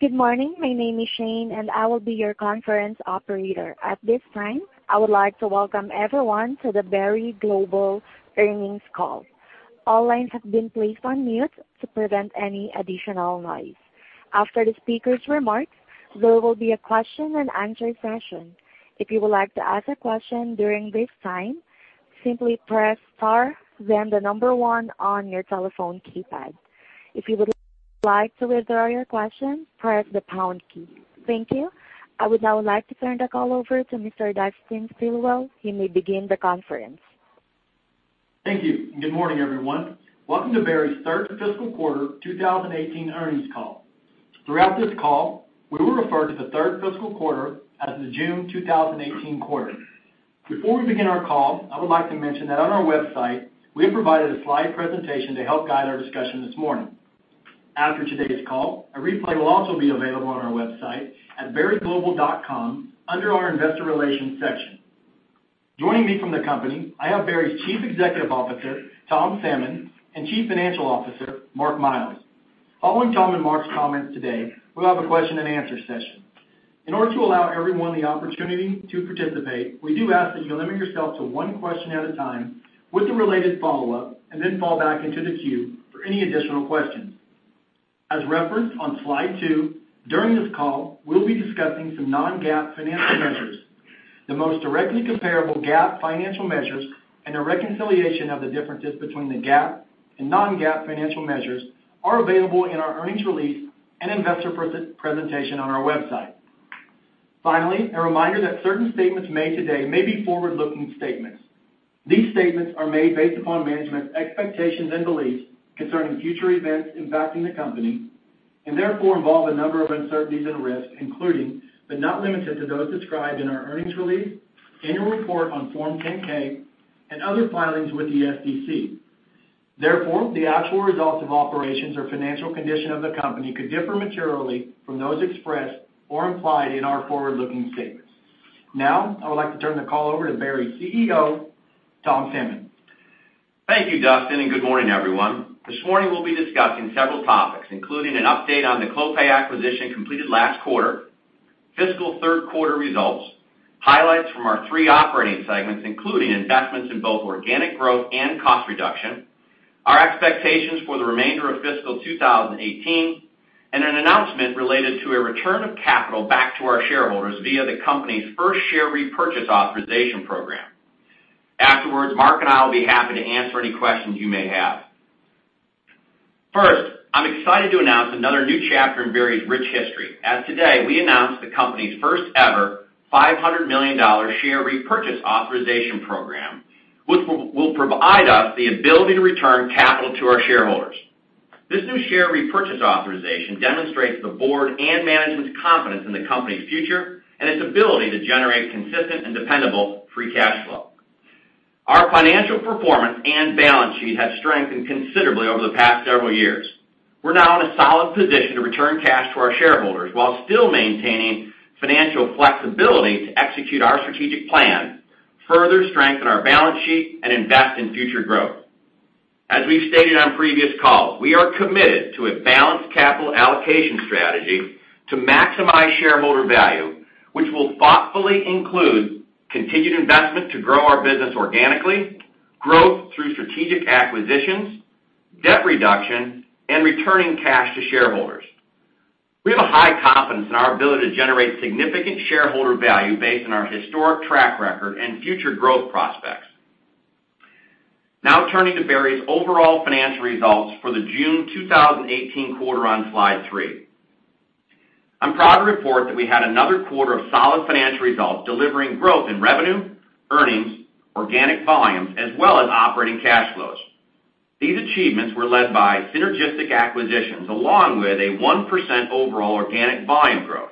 Good morning. My name is Shane, and I will be your conference operator. At this time, I would like to welcome everyone to the Berry Global earnings call. All lines have been placed on mute to prevent any additional noise. After the speaker's remarks, there will be a question and answer session. If you would like to ask a question during this time, simply press star, then the number one on your telephone keypad. If you would like to withdraw your question, press the pound key. Thank you. I would now like to turn the call over to Mr. Dustin Stilwell. You may begin the conference. Thank you. Good morning, everyone. Welcome to Berry's third fiscal quarter 2018 earnings call. Throughout this call, we will refer to the third fiscal quarter as the June 2018 quarter. Before we begin our call, I would like to mention that on our website, we have provided a slide presentation to help guide our discussion this morning. After today's call, a replay will also be available on our website at berryglobal.com under our investor relations section. Joining me from the company, I have Berry's Chief Executive Officer, Tom Salmon, and Chief Financial Officer, Mark Miles. Following Tom and Mark's comments today, we'll have a question and answer session. In order to allow everyone the opportunity to participate, we do ask that you limit yourself to one question at a time with a related follow-up. Then fall back into the queue for any additional questions. As referenced on slide two, during this call, we'll be discussing some non-GAAP financial measures. The most directly comparable GAAP financial measures, and a reconciliation of the differences between the GAAP and non-GAAP financial measures are available in our earnings release and investor presentation on our website. Finally, a reminder that certain statements made today may be forward-looking statements. These statements are made based upon management's expectations and beliefs concerning future events impacting the company, therefore, involve a number of uncertainties and risks, including, but not limited to those described in our earnings release, annual report on Form 10-K, and other filings with the SEC. Therefore, the actual results of operations or financial condition of the company could differ materially from those expressed or implied in our forward-looking statements. Now, I would like to turn the call over to Berry's CEO, Tom Salmon. Thank you, Dustin, good morning, everyone. This morning, we'll be discussing several topics, including an update on the Clopay acquisition completed last quarter, fiscal third quarter results, highlights from our three operating segments, including investments in both organic growth and cost reduction, our expectations for the remainder of fiscal 2018, and an announcement related to a return of capital back to our shareholders via the company's first share repurchase authorization program. Afterwards, Mark and I will be happy to answer any questions you may have. First, I'm excited to announce another new chapter in Berry's rich history, as today we announce the company's first-ever $500 million share repurchase authorization program, which will provide us the ability to return capital to our shareholders. This new share repurchase authorization demonstrates the board and management's confidence in the company's future and its ability to generate consistent and dependable free cash flow. Our financial performance and balance sheet have strengthened considerably over the past several years. We're now in a solid position to return cash to our shareholders while still maintaining financial flexibility to execute our strategic plan, further strengthen our balance sheet, and invest in future growth. As we've stated on previous calls, we are committed to a balanced capital allocation strategy to maximize shareholder value, which will thoughtfully include continued investment to grow our business organically, growth through strategic acquisitions, debt reduction, and returning cash to shareholders. We have a high confidence in our ability to generate significant shareholder value based on our historic track record and future growth prospects. Turning to Berry's overall financial results for the June 2018 quarter on slide three. I'm proud to report that we had another quarter of solid financial results, delivering growth in revenue, earnings, organic volumes, as well as operating cash flows. These achievements were led by synergistic acquisitions, along with a 1% overall organic volume growth.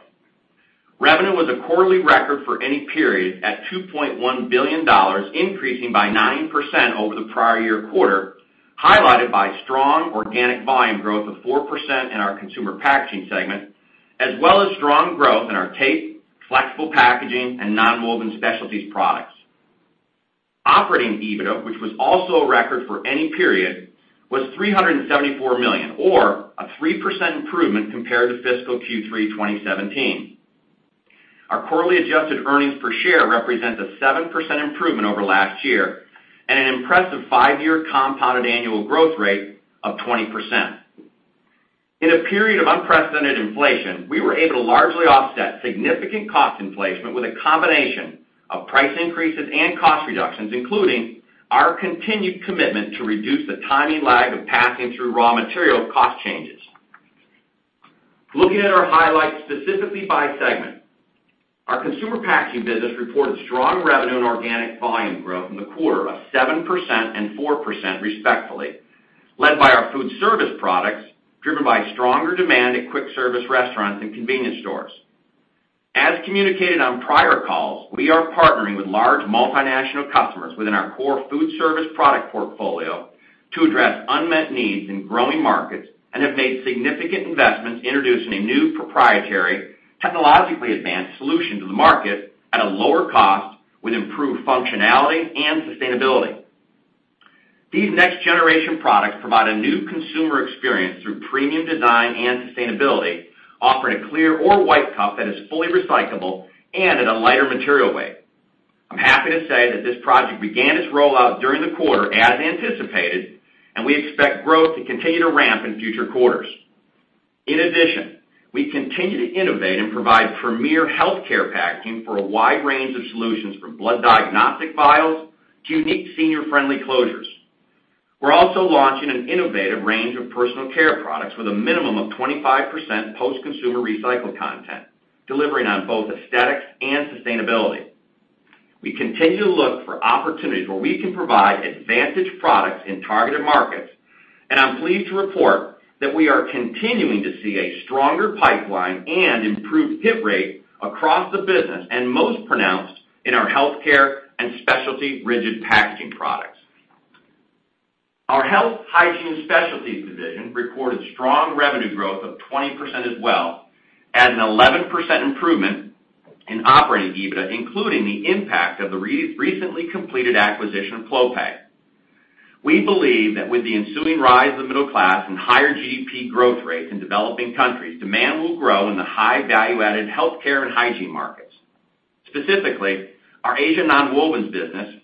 Revenue was a quarterly record for any period at $2.1 billion, increasing by 9% over the prior year quarter, highlighted by strong organic volume growth of 4% in our Consumer Packaging segment, as well as strong growth in our tape, flexible packaging, and nonwoven specialties products. Operating EBITDA, which was also a record for any period, was $374 million, or a 3% improvement compared to fiscal Q3 2017. Our quarterly adjusted earnings per share represent a 7% improvement over last year and an impressive five-year compounded annual growth rate of 20%. In a period of unprecedented inflation, we were able to largely offset significant cost inflation with a combination of price increases and cost reductions, including our continued commitment to reduce the timing lag of passing through raw material cost changes. Looking at our highlights specifically by segment. Our Consumer Packaging business reported strong revenue and organic volume growth in the quarter of 7% and 4% respectively, led by our food service products, driven by stronger demand at quick service restaurants and convenience stores. As communicated on prior calls, we are partnering with large multinational customers within our core food service product portfolio to address unmet needs in growing markets and have made significant investments introducing a new proprietary, technologically advanced solution to the market at a lower cost with improved functionality and sustainability. These next-generation products provide a new consumer experience through premium design and sustainability, offering a clear or white cup that is fully recyclable and at a lighter material weight. I'm happy to say that this project began its rollout during the quarter as anticipated, we expect growth to continue to ramp in future quarters. In addition, we continue to innovate and provide premier healthcare packaging for a wide range of solutions, from blood diagnostic vials to unique senior-friendly closures. We're also launching an innovative range of personal care products with a minimum of 25% post-consumer recycled content, delivering on both aesthetics and sustainability. We continue to look for opportunities where we can provide advantage products in targeted markets. I'm pleased to report that we are continuing to see a stronger pipeline and improved hit rate across the business. Most pronounced in our healthcare and specialty rigid packaging products, our Health, Hygiene, & Specialties division reported strong revenue growth of 20% as well. An 11% improvement in operating EBITDA, including the impact of the recently completed acquisition of Clopay. We believe that with the ensuing rise of the middle class and higher GDP growth rates in developing countries, demand will grow in the high value-added healthcare and hygiene markets. Specifically, our Asia nonwovens business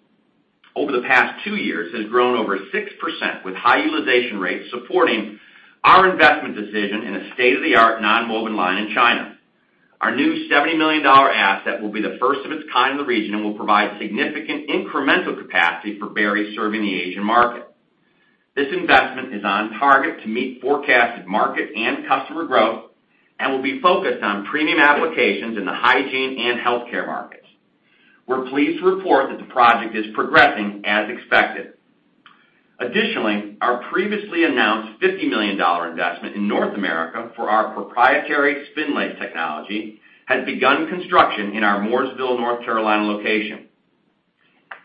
over the past two years has grown over 6% with high utilization rates supporting our investment decision in a state-of-the-art nonwoven line in China. Our new $70 million asset will be the first of its kind in the region. Will provide significant incremental capacity for Berry serving the Asian market. This investment is on target to meet forecasted market and customer growth and will be focused on premium applications in the hygiene and healthcare markets. We're pleased to report that the project is progressing as expected. Our previously announced $50 million investment in North America for our proprietary Spinlace technology has begun construction in our Mooresville, North Carolina location.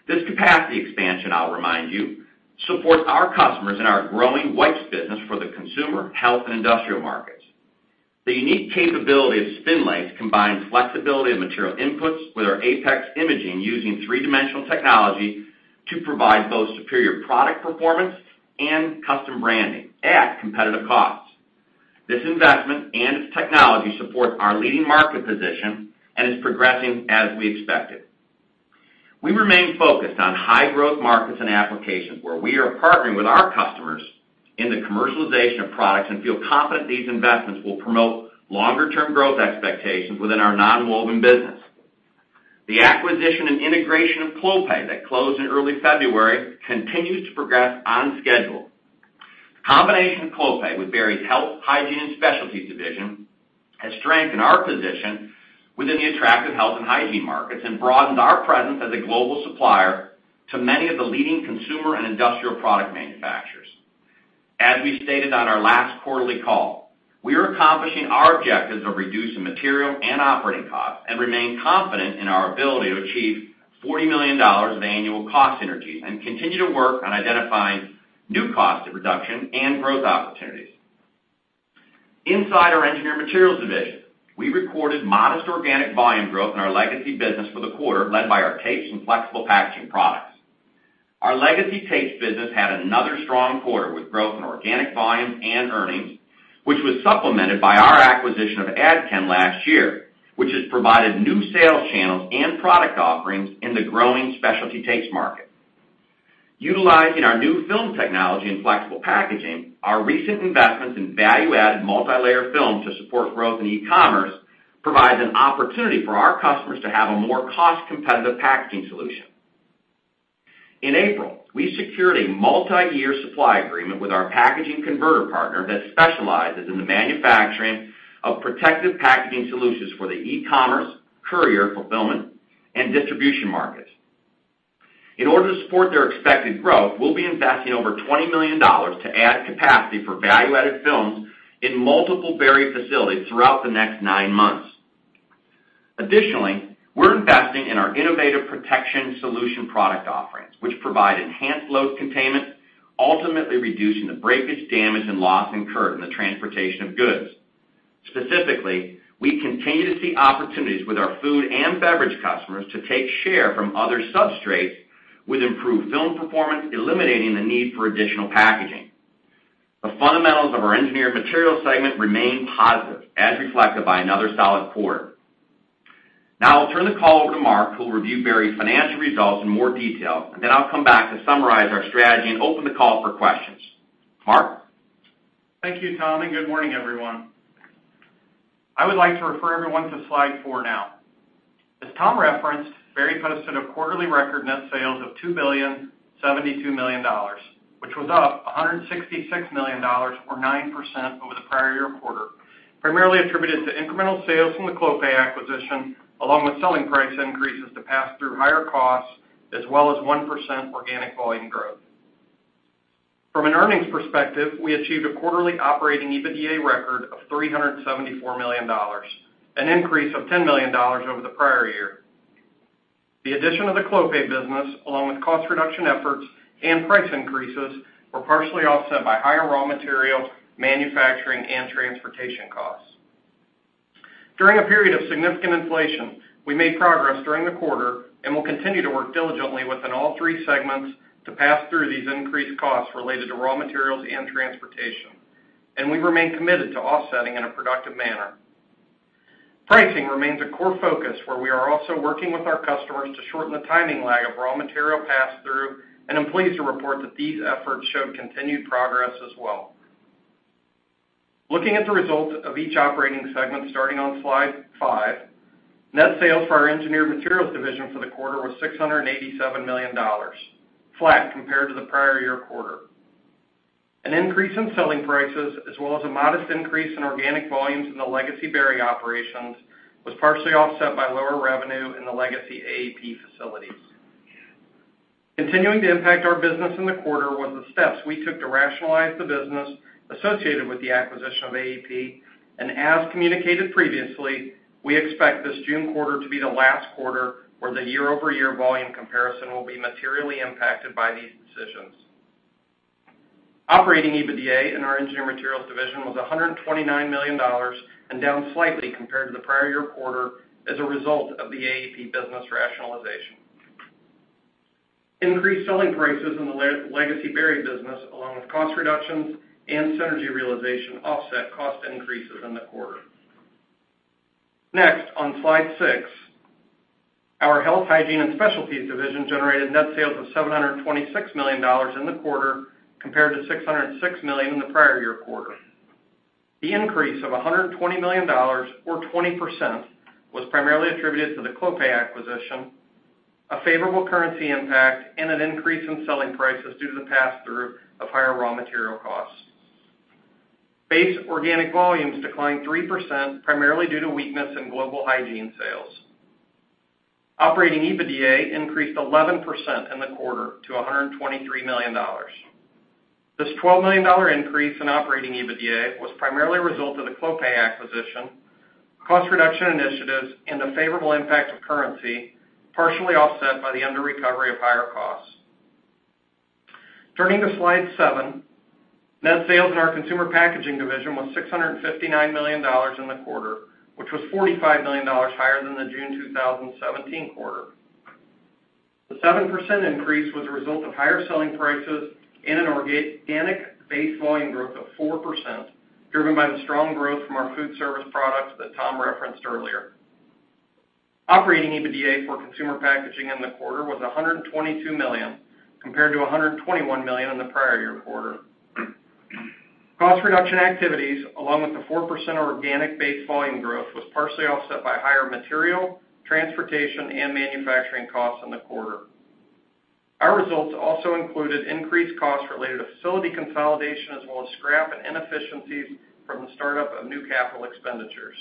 This capacity expansion, I'll remind you, supports our customers in our growing wipes business for the consumer, health, and industrial markets. The unique capability of Spinlace combines flexibility of material inputs with our Apex imaging using three-dimensional technology to provide both superior product performance and custom branding at competitive costs. This investment and its technology support our leading market position and is progressing as we expected. We remain focused on high-growth markets and applications where we are partnering with our customers in the commercialization of products and feel confident these investments will promote longer-term growth expectations within our nonwoven business. The acquisition and integration of Clopay that closed in early February continues to progress on schedule. The combination of Clopay with Berry's Health, Hygiene, & Specialties division has strengthened our position within the attractive health and hygiene markets and broadened our presence as a global supplier to many of the leading consumer and industrial product manufacturers. As we stated on our last quarterly call, we are accomplishing our objectives of reducing material and operating costs. Remain confident in our ability to achieve $40 million of annual cost synergies. Continue to work on identifying new cost reduction and growth opportunities. Inside our Engineered Materials division, we recorded modest organic volume growth in our legacy business for the quarter, led by our tapes and flexible packaging products. Our legacy tapes business had another strong quarter with growth in organic volumes and earnings, which was supplemented by our acquisition of Adchem last year, which has provided new sales channels and product offerings in the growing specialty tapes market. Utilizing our new film technology and flexible packaging, our recent investments in value-added multilayer films to support growth in e-commerce provides an opportunity for our customers to have a more cost-competitive packaging solution. In April, we secured a multiyear supply agreement with our packaging converter partner that specializes in the manufacturing of protective packaging solutions for the e-commerce, courier fulfillment, and distribution markets. In order to support their expected growth, we'll be investing over $20 million to add capacity for value-added films in multiple Berry facilities throughout the next nine months. Additionally, we're investing in our innovative protection solution product offerings, which provide enhanced load containment, ultimately reducing the breakage, damage, and loss incurred in the transportation of goods. Specifically, we continue to see opportunities with our food and beverage customers to take share from other substrates with improved film performance, eliminating the need for additional packaging. The fundamentals of our Engineered Materials segment remain positive, as reflected by another solid quarter. Now I'll turn the call over to Mark, who will review Berry's financial results in more detail. I'll come back to summarize our strategy and open the call for questions. Mark? Thank you, Tom. Good morning, everyone. I would like to refer everyone to slide four now. As Tom referenced, Berry posted a quarterly record net sales of $2.072 billion, which was up $166 million, or 9% over the prior year quarter, primarily attributed to incremental sales from the Clopay acquisition, along with selling price increases to pass through higher costs, as well as 1% organic volume growth. From an earnings perspective, we achieved a quarterly operating EBITDA record of $374 million, an increase of $10 million over the prior year. The addition of the Clopay business, along with cost reduction efforts and price increases, were partially offset by higher raw material, manufacturing, and transportation costs. During a period of significant inflation, we made progress during the quarter and will continue to work diligently within all three segments to pass through these increased costs related to raw materials and transportation. We remain committed to offsetting in a productive manner. Pricing remains a core focus, where we are also working with our customers to shorten the timing lag of raw material pass-through, and I'm pleased to report that these efforts showed continued progress as well. Looking at the results of each operating segment starting on slide five, net sales for our Engineered Materials division for the quarter was $687 million, flat compared to the prior year quarter. An increase in selling prices, as well as a modest increase in organic volumes in the legacy Berry operations, was partially offset by lower revenue in the legacy AEP facilities. Continuing to impact our business in the quarter was the steps we took to rationalize the business associated with the acquisition of AEP. As communicated previously, we expect this June quarter to be the last quarter where the year-over-year volume comparison will be materially impacted by these decisions. Operating EBITDA in our Engineered Materials division was $129 million and down slightly compared to the prior year quarter as a result of the AEP business rationalization. Increased selling prices in the legacy Berry business, along with cost reductions and synergy realization offset cost increases in the quarter. On slide six, our Health, Hygiene, & Specialties division generated net sales of $726 million in the quarter, compared to $606 million in the prior year quarter. The increase of $120 million or 20% was primarily attributed to the Clopay acquisition, a favorable currency impact, and an increase in selling prices due to the pass-through of higher raw material costs. Base organic volumes declined 3%, primarily due to weakness in global hygiene sales. Operating EBITDA increased 11% in the quarter to $123 million. This $12 million increase in Operating EBITDA was primarily a result of the Clopay acquisition, cost reduction initiatives, and the favorable impact of currency, partially offset by the under-recovery of higher costs. Turning to slide seven, net sales in our Consumer Packaging division was $659 million in the quarter, which was $45 million higher than the June 2017 quarter. The 7% increase was a result of higher selling prices and an organic base volume growth of 4%, driven by the strong growth from our food service products that Tom referenced earlier. Operating EBITDA for Consumer Packaging in the quarter was $122 million, compared to $121 million in the prior year quarter. Cost reduction activities, along with the 4% organic base volume growth, was partially offset by higher material, transportation, and manufacturing costs in the quarter. Our results also included increased costs related to facility consolidation, as well as scrap and inefficiencies from the startup of new capital expenditures.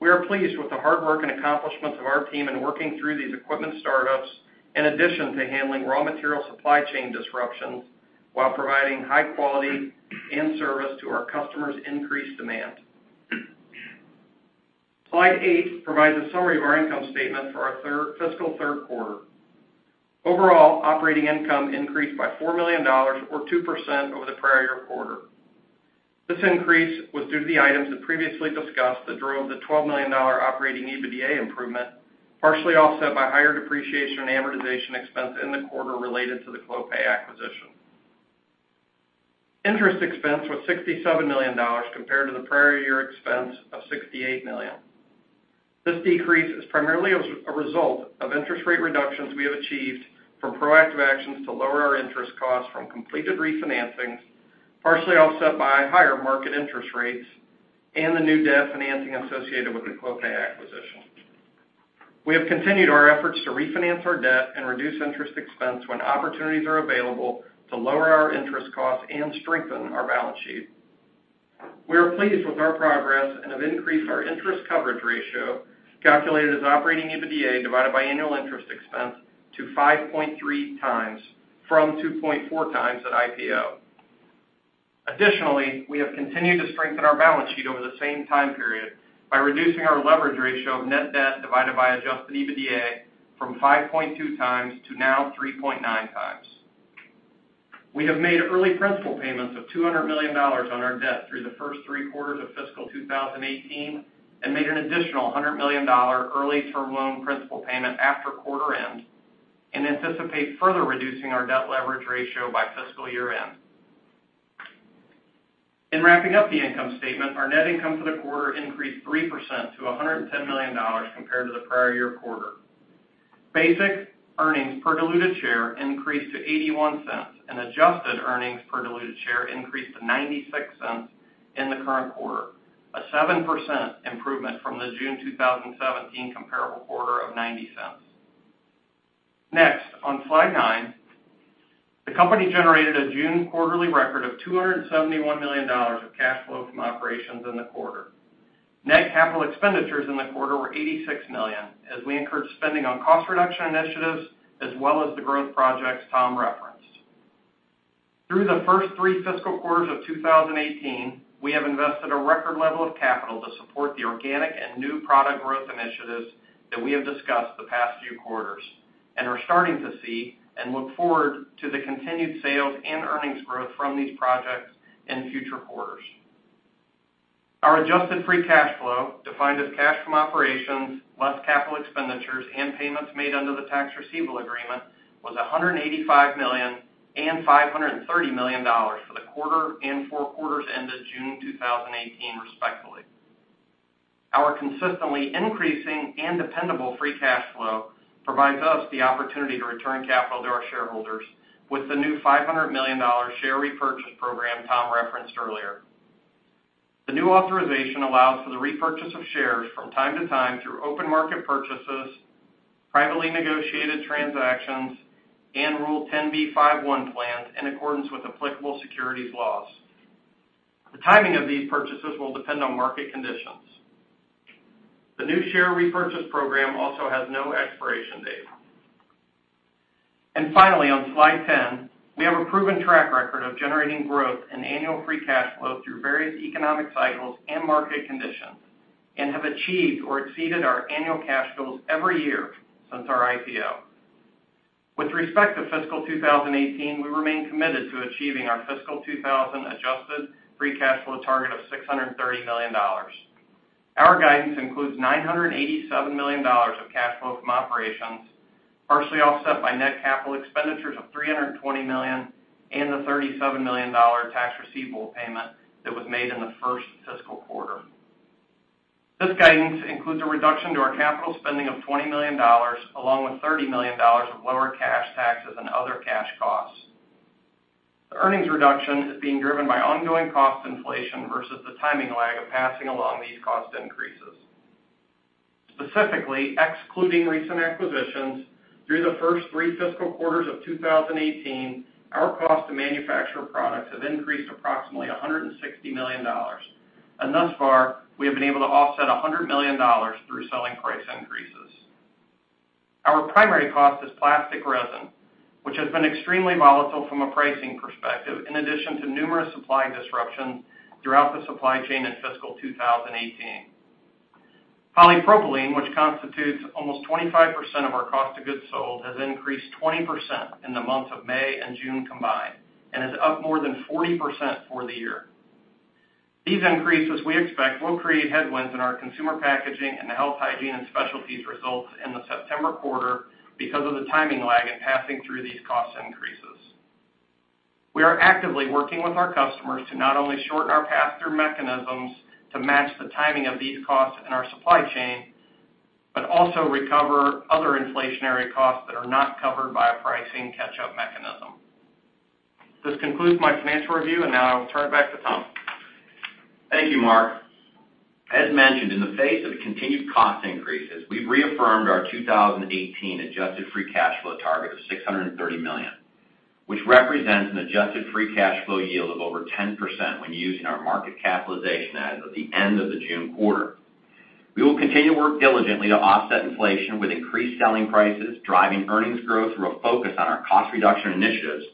We are pleased with the hard work and accomplishments of our team in working through these equipment startups, in addition to handling raw material supply chain disruptions while providing high quality and service to our customers' increased demand. Slide eight provides a summary of our income statement for our fiscal third quarter. Overall, operating income increased by $4 million or 2% over the prior year quarter. This increase was due to the items previously discussed that drove the $12 million Operating EBITDA improvement, partially offset by higher depreciation and amortization expense in the quarter related to the Clopay acquisition. Interest expense was $67 million compared to the prior year expense of $68 million. This decrease is primarily a result of interest rate reductions we have achieved from proactive actions to lower our interest costs from completed refinancings, partially offset by higher market interest rates and the new debt financing associated with the Clopay acquisition. We have continued our efforts to refinance our debt and reduce interest expense when opportunities are available to lower our interest costs and strengthen our balance sheet. We are pleased with our progress and have increased our interest coverage ratio, calculated as Operating EBITDA divided by annual interest expense to 5.3 times from 2.4 times at IPO. Additionally, we have continued to strengthen our balance sheet over the same time period by reducing our leverage ratio of net debt divided by Adjusted EBITDA from 5.2 times to now 3.9 times. We have made early principal payments of $200 million on our debt through the first three quarters of fiscal 2018 and made an additional $100 million early term loan principal payment after quarter end and anticipate further reducing our debt leverage ratio by fiscal year-end. In wrapping up the income statement, our net income for the quarter increased 3% to $110 million compared to the prior year quarter. Basic earnings per diluted share increased to $0.81, and adjusted earnings per diluted share increased to $0.96 in the current quarter, a 7% improvement from the June 2017 comparable quarter of $0.90. Next, on slide nine, the company generated a June quarterly record of $271 million of cash flow from operations in the quarter. Net capital expenditures in the quarter were $86 million, as we incurred spending on cost reduction initiatives, as well as the growth projects Tom referenced. Through the first three fiscal quarters of 2018, we have invested a record level of capital to support the organic and new product growth initiatives that we have discussed the past few quarters. And are starting to see and look forward to the continued sales and earnings growth from these projects in future quarters. Our adjusted free cash flow, defined as cash from operations, less capital expenditures and payments made under the tax receivable agreement, was $185 million and $530 million for the quarter and four quarters ended June 2018, respectively. Our consistently increasing and dependable free cash flow provides us the opportunity to return capital to our shareholders with the new $500 million share repurchase program Tom referenced earlier. The new authorization allows for the repurchase of shares from time to time through open market purchases, privately negotiated transactions, and Rule 10b5-1 plans in accordance with applicable securities laws. The timing of these purchases will depend on market conditions. The new share repurchase program also has no expiration date. Finally, on Slide 10, we have a proven track record of generating growth in annual free cash flow through various economic cycles and market conditions and have achieved or exceeded our annual cash goals every year since our IPO. With respect to fiscal 2018, we remain committed to achieving our fiscal 2018 adjusted free cash flow target of $630 million. Our guidance includes $987 million of cash flow from operations, partially offset by net capital expenditures of $320 million and the $37 million tax receivable payment that was made in the first fiscal quarter. This guidance includes a reduction to our capital spending of $20 million, along with $30 million of lower cash taxes and other cash costs. The earnings reduction is being driven by ongoing cost inflation versus the timing lag of passing along these cost increases. Specifically, excluding recent acquisitions, through the first three fiscal quarters of 2018, our cost to manufacture products has increased approximately $160 million, and thus far, we have been able to offset $100 million through selling price increases. Our primary cost is plastic resin, which has been extremely volatile from a pricing perspective, in addition to numerous supply disruptions throughout the supply chain in fiscal 2018. Polypropylene, which constitutes almost 25% of our cost of goods sold, has increased 20% in the months of May and June combined and is up more than 40% for the year. These increases, we expect, will create headwinds in our Consumer Packaging and the Health, Hygiene, & Specialties results in the September quarter because of the timing lag in passing through these cost increases. We are actively working with our customers to not only shorten our pass-through mechanisms to match the timing of these costs in our supply chain, but also recover other inflationary costs that are not covered by a pricing catch-up mechanism. This concludes my financial review, and now I will turn it back to Tom. Thank you, Mark. As mentioned, in the face of continued cost increases, we've reaffirmed our 2018 adjusted free cash flow target of $630 million, which represents an adjusted free cash flow yield of over 10% when using our market capitalization as of the end of the June quarter. We will continue to work diligently to offset inflation with increased selling prices, driving earnings growth through a focus on our cost reduction initiatives,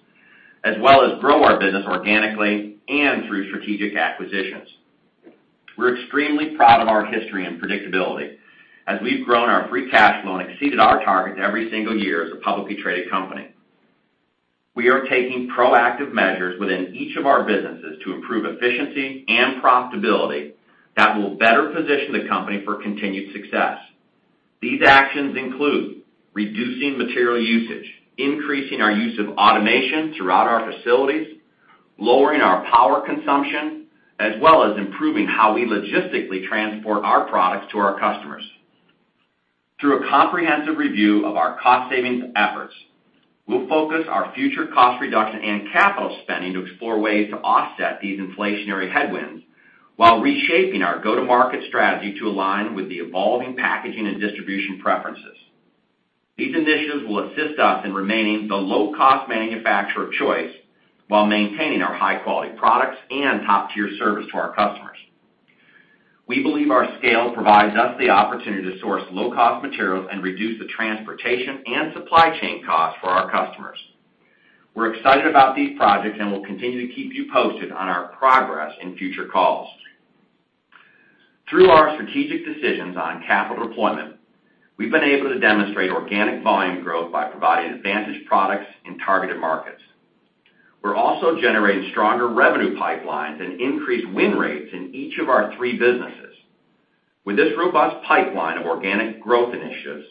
as well as grow our business organically and through strategic acquisitions. We're extremely proud of our history and predictability as we've grown our free cash flow and exceeded our targets every single year as a publicly traded company. We are taking proactive measures within each of our businesses to improve efficiency and profitability that will better position the company for continued success. These actions include reducing material usage, increasing our use of automation throughout our facilities, lowering our power consumption, as well as improving how we logistically transport our products to our customers. Through a comprehensive review of our cost-savings efforts, we'll focus our future cost reduction and capital spending to explore ways to offset these inflationary headwinds while reshaping our go-to-market strategy to align with the evolving packaging and distribution preferences. These initiatives will assist us in remaining the low-cost manufacturer of choice while maintaining our high-quality products and top-tier service to our customers. We believe our scale provides us the opportunity to source low-cost materials and reduce the transportation and supply chain costs for our customers. We're excited about these projects and will continue to keep you posted on our progress in future calls. Through our strategic decisions on capital deployment, we've been able to demonstrate organic volume growth by providing advantage products in targeted markets. We're also generating stronger revenue pipelines and increased win rates in each of our three businesses. With this robust pipeline of organic growth initiatives,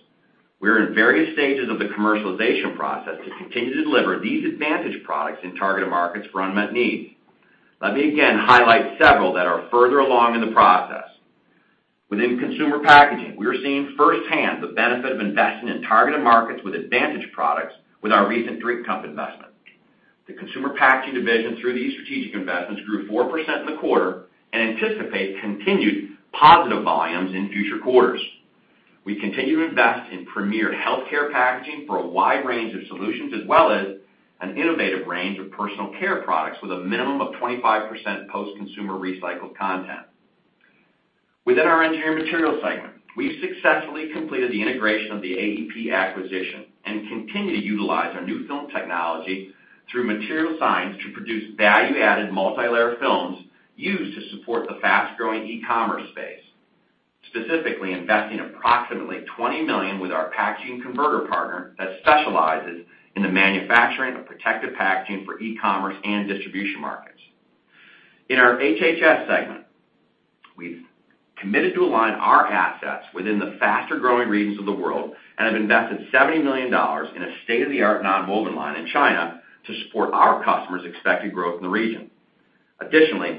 we are in various stages of the commercialization process to continue to deliver these advantage products in targeted markets for unmet needs. Let me again highlight several that are further along in the process. Within Consumer Packaging, we are seeing firsthand the benefit of investing in targeted markets with advantage products with our recent drink cup investment. The Consumer Packaging division, through these strategic investments, grew 4% in the quarter and anticipate continued positive volumes in future quarters. We continue to invest in premier healthcare packaging for a wide range of solutions, as well as an innovative range of personal care products with a minimum of 25% post-consumer recycled content. Within our Engineered Materials segment, we've successfully completed the integration of the AEP acquisition and continue to utilize our new film technology through material science to produce value-added multilayer films used to support the fast-growing e-commerce space. Specifically investing approximately $20 million with our packaging converter partner that specializes in the manufacturing of protective packaging for e-commerce and distribution markets. In our HHS segment, we've committed to align our assets within the faster-growing regions of the world and have invested $70 million in a state-of-the-art nonwoven line in China to support our customers' expected growth in the region.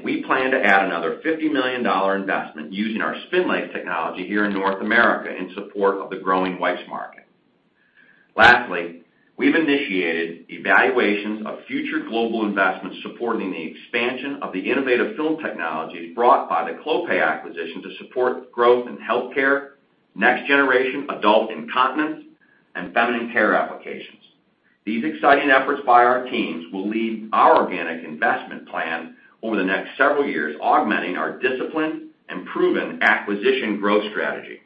We plan to add another $50 million investment using our Spinlace technology here in North America in support of the growing wipes market. Lastly, we've initiated evaluations of future global investments supporting the expansion of the innovative film technologies brought by the Clopay acquisition to support growth in healthcare, next generation adult incontinence, and feminine care applications. These exciting efforts by our teams will lead our organic investment plan over the next several years, augmenting our disciplined and proven acquisition growth strategy.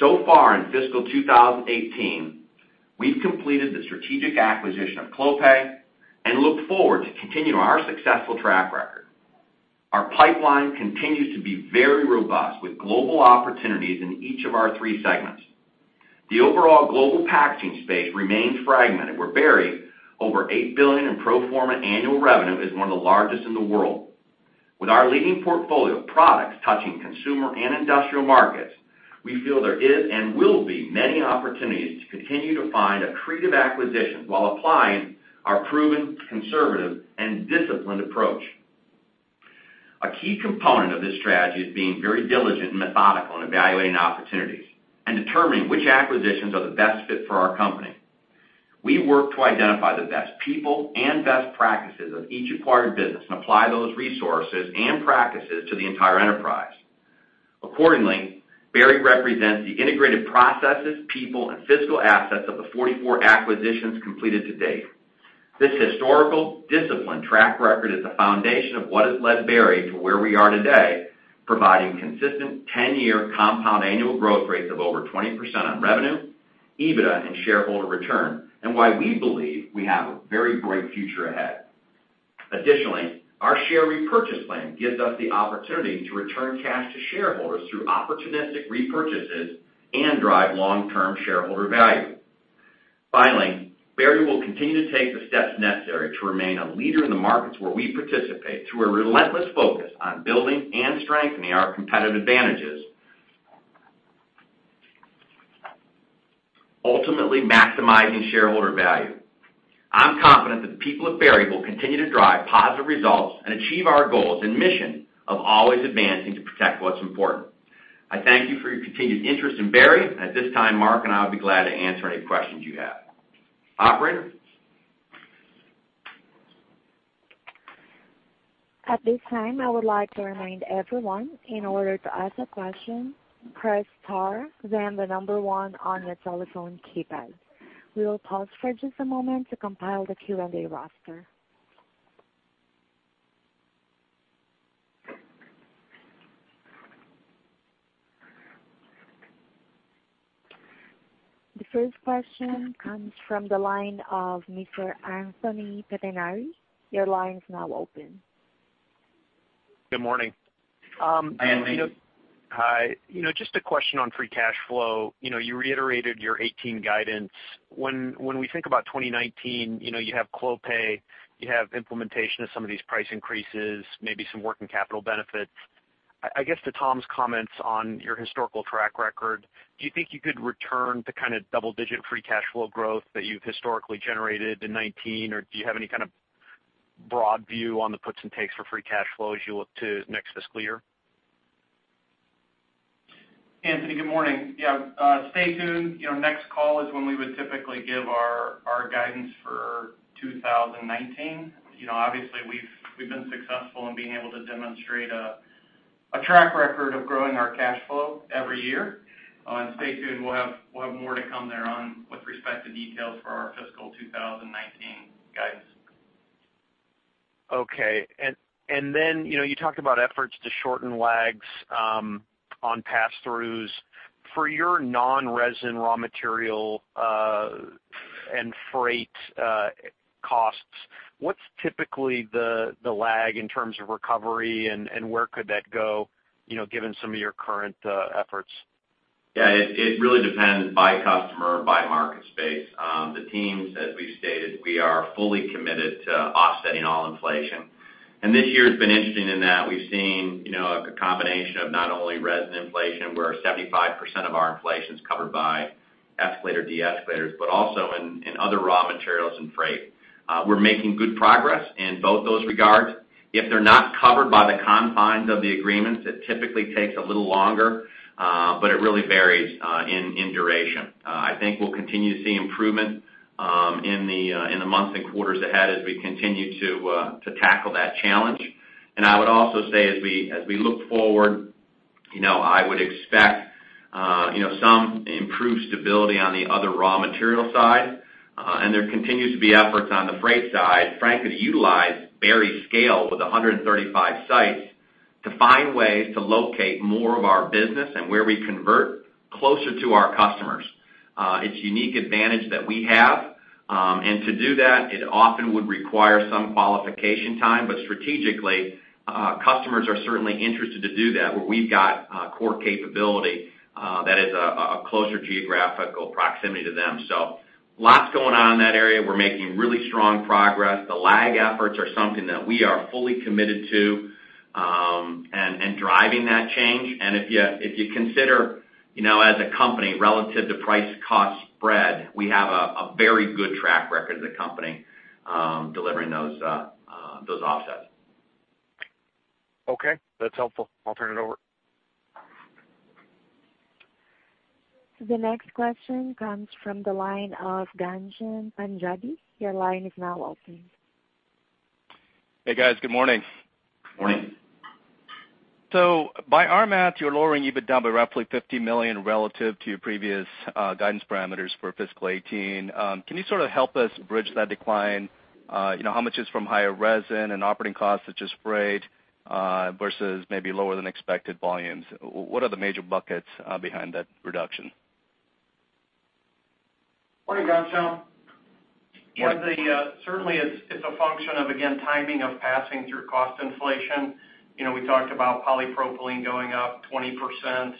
So far in FY 2018, we've completed the strategic acquisition of Clopay and look forward to continuing our successful track record. Our pipeline continues to be very robust with global opportunities in each of our three segments. The overall global packaging space remains fragmented, where Berry, over $8 billion in pro forma annual revenue, is one of the largest in the world. With our leading portfolio of products touching consumer and industrial markets, we feel there is and will be many opportunities to continue to find accretive acquisitions while applying our proven conservative and disciplined approach. A key component of this strategy is being very diligent and methodical in evaluating opportunities and determining which acquisitions are the best fit for our company. We work to identify the best people and best practices of each acquired business and apply those resources and practices to the entire enterprise. Accordingly, Berry represents the integrated processes, people, and physical assets of the 44 acquisitions completed to date. This historical discipline track record is the foundation of what has led Berry to where we are today, providing consistent 10-year compound annual growth rates of over 20% on revenue, EBITDA, and shareholder return, and why we believe we have a very bright future ahead. Our share repurchase plan gives us the opportunity to return cash to shareholders through opportunistic repurchases and drive long-term shareholder value. Berry will continue to take the steps necessary to remain a leader in the markets where we participate through a relentless focus on building and strengthening our competitive advantages. Ultimately maximizing shareholder value. I'm confident that the people of Berry will continue to drive positive results and achieve our goals and mission of always advancing to protect what's important. I thank you for your continued interest in Berry. At this time, Mark and I will be glad to answer any questions you have. Operator? At this time, I would like to remind everyone, in order to ask a question, press star, then the number one on your telephone keypad. We will pause for just a moment to compile the Q&A roster. The first question comes from the line of Mr. Anthony Pettinari. Your line is now open. Good morning. Anthony. Hi. Just a question on free cash flow. You reiterated your 2018 guidance. When we think about 2019, you have Clopay, you have implementation of some of these price increases, maybe some working capital benefits. I guess to Tom's comments on your historical track record, do you think you could return to kind of double-digit free cash flow growth that you've historically generated in 2019 or do you have any kind of broad view on the puts and takes for free cash flow as you look to next fiscal year? Anthony, good morning. Yeah, stay tuned. Next call is when we would typically give our guidance for 2019. Obviously, we've been successful in being able to demonstrate a track record of growing our cash flow every year. Stay tuned. We'll have more to come there with respect to details for our fiscal 2019 guidance. Okay. Then you talked about efforts to shorten lags on passthroughs. For your non-resin raw material and freight costs, what's typically the lag in terms of recovery, and where could that go given some of your current efforts? Yeah. It really depends by customer, by market space. The teams, as we've stated, we are fully committed to offsetting all inflation. This year has been interesting in that we've seen a combination of not only resin inflation, where 75% of our inflation's covered by escalator, de-escalators, but also in other raw materials and freight. We're making good progress in both those regards. If they're not covered by the confines of the agreements, it typically takes a little longer, but it really varies in duration. I think we'll continue to see improvement in the months and quarters ahead as we continue to tackle that challenge. I would also say as we look forward, I would expect some improved stability on the other raw material side. There continues to be efforts on the freight side, frankly, to utilize Berry's scale with 135 sites to find ways to locate more of our business and where we convert closer to our customers. It's a unique advantage that we have. To do that, it often would require some qualification time. Strategically, customers are certainly interested to do that, where we've got core capability that is a closer geographical proximity to them. Lots going on in that area. We're making really strong progress. The lag efforts are something that we are fully committed to and driving that change. If you consider as a company relative to price cost spread, we have a very good track record as a company delivering those offsets. Okay. That's helpful. I'll turn it over. The next question comes from the line of Ghansham Panjabi. Your line is now open. Hey, guys. Good morning. Morning. By our math, you're lowering EBITDA by roughly $50 million relative to your previous guidance parameters for fiscal 2018. Can you sort of help us bridge that decline? How much is from higher resin and operating costs such as freight versus maybe lower than expected volumes? What are the major buckets behind that reduction? Morning, Ghansham. Certainly, it's a function of, again, timing of passing through cost inflation. We talked about polypropylene going up 20%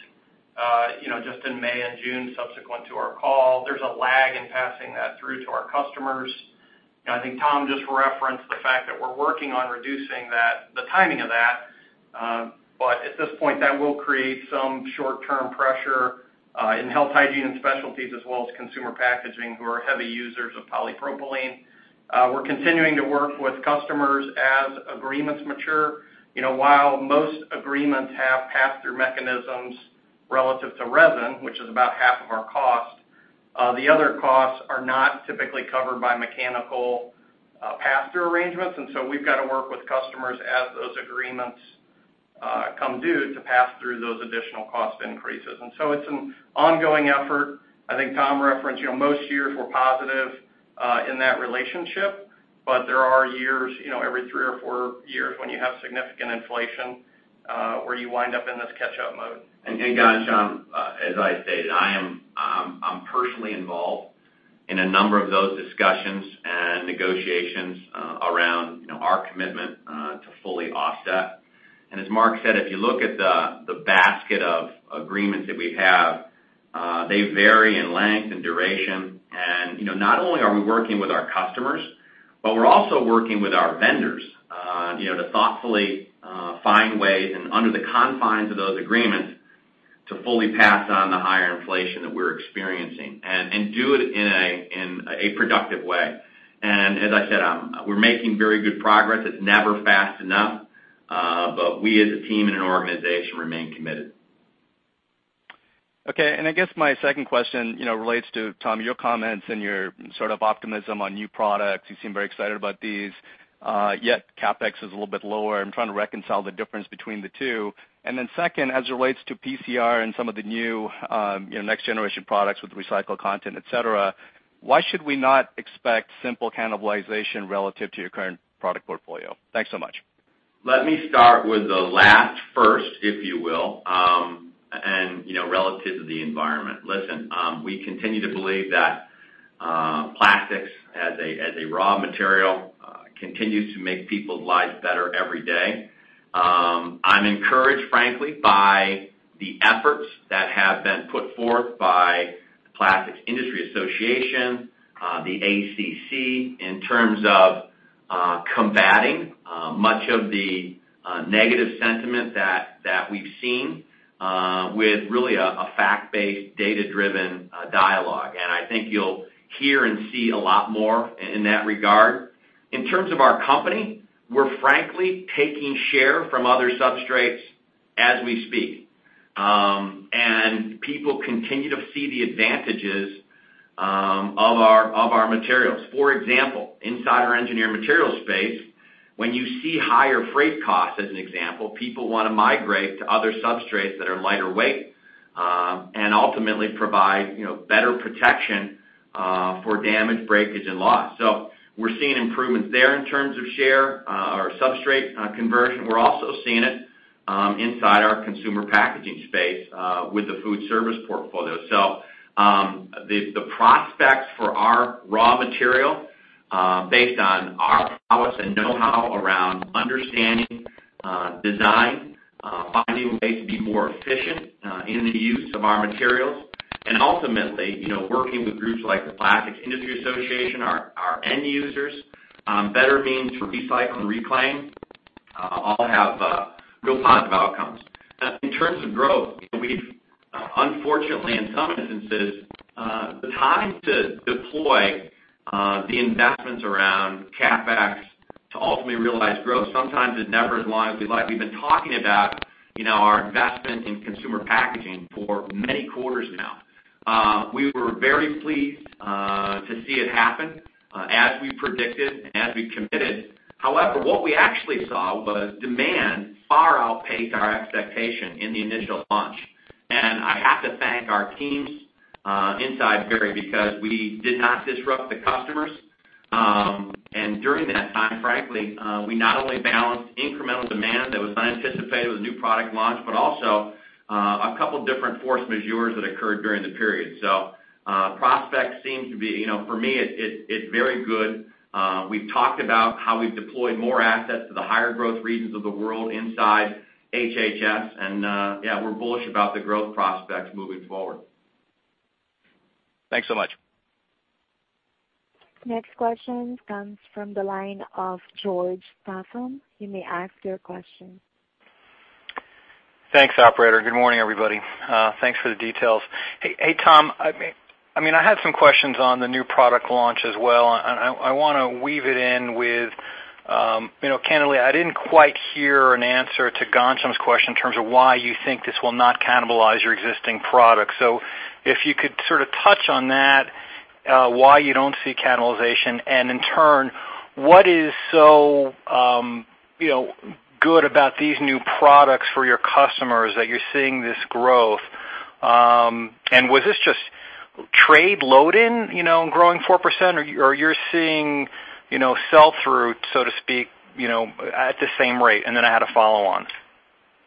just in May and June subsequent to our call. There's a lag in passing that through to our customers. I think Tom just referenced the fact that we're working on reducing the timing of that. At this point, that will create some short-term pressure in Health, Hygiene, & Specialties, as well as Consumer Packaging, who are heavy users of polypropylene. We're continuing to work with customers as agreements mature. While most agreements have pass-through mechanisms relative to resin, which is about half of our cost, the other costs are not typically covered by mechanical pass-through arrangements. We've got to work with customers as those agreements come due to pass through those additional cost increases. It's an ongoing effort. I think Tom referenced most years we're positive in that relationship, but there are years, every 3 or 4 years, when you have significant inflation, where you wind up in this catch-up mode. Ghansham, as I stated, I'm personally involved in a number of those discussions and negotiations around our commitment to fully offset. As Mark said, if you look at the basket of agreements that we have, they vary in length and duration. Not only are we working with our customers, but we're also working with our vendors to thoughtfully find ways, and under the confines of those agreements, to fully pass on the higher inflation that we're experiencing and do it in a productive way. As I said, we're making very good progress. It's never fast enough. We as a team and an organization remain committed. Okay. I guess my second question relates to, Tom, your comments and your sort of optimism on new products. You seem very excited about these. Yet, CapEx is a little bit lower. I'm trying to reconcile the difference between the two. Then second, as it relates to PCR and some of the new next generation products with recycled content, et cetera, why should we not expect simple cannibalization relative to your current product portfolio? Thanks so much. Let me start with the last, first, if you will, and relative to the environment. Listen, we continue to believe that plastics as a raw material continues to make people's lives better every day. I'm encouraged, frankly, by the efforts that have been put forth by the Plastics Industry Association, the ACC, in terms of combating much of the negative sentiment that we've seen with really a fact-based, data-driven dialogue. I think you'll hear and see a lot more in that regard. In terms of our company, we're frankly taking share from other substrates as we speak. People continue to see the advantages of our materials. For example, inside our Engineered Materials space, when you see higher freight costs, as an example, people want to migrate to other substrates that are lighter weight and ultimately provide better protection for damage, breakage, and loss. We are seeing improvements there in terms of share or substrate conversion. We are also seeing it inside our Consumer Packaging space with the food service portfolio. The prospects for our raw material, based on our prowess and know-how around understanding design, finding ways to be more efficient in the use of our materials, and ultimately working with groups like the Plastics Industry Association, our end users, better means to recycle and reclaim, all have real positive outcomes. In terms of growth, unfortunately in some instances, the time to deploy the investments around CapEx to ultimately realize growth, sometimes it is never as long as we like. We have been talking about our investment in Consumer Packaging for many quarters now. We were very pleased to see it happen as we predicted and as we committed. However, what we actually saw was demand far outpaced our expectation in the initial launch. I have to thank our teams inside Berry because we did not disrupt the customers. During that time, frankly, we not only balanced incremental demand that was unanticipated with a new product launch, but also a couple different force majeures that occurred during the period. Prospects seem to be, for me, it is very good. We have talked about how we have deployed more assets to the higher growth regions of the world inside HHS, and yeah, we are bullish about the growth prospects moving forward. Thanks so much. Next question comes from the line of George Staphos. You may ask your question. Thanks, operator. Good morning, everybody. Thanks for the details. Hey, Tom. I had some questions on the new product launch as well, and I want to weave it in with, candidly, I didn't quite hear an answer to Ghansham's question in terms of why you think this will not cannibalize your existing product. If you could sort of touch on that, why you don't see cannibalization, and in turn, what is so good about these new products for your customers that you're seeing this growth? Was this just trade load in growing 4%, or you're seeing sell through, so to speak, at the same rate? Then I had a follow on.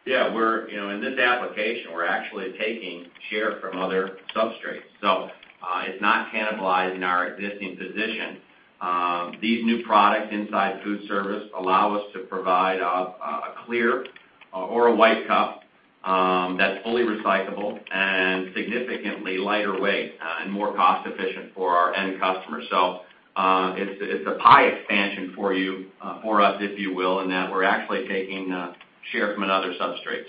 Yeah. In this application, we're actually taking share from other substrates. It's not cannibalizing our existing position. These new products inside food service allow us to provide a clear or a white cup that's fully recyclable and significantly lighter weight and more cost efficient for our end customer. It's a pie expansion for us, if you will, in that we're actually taking share from another substrate.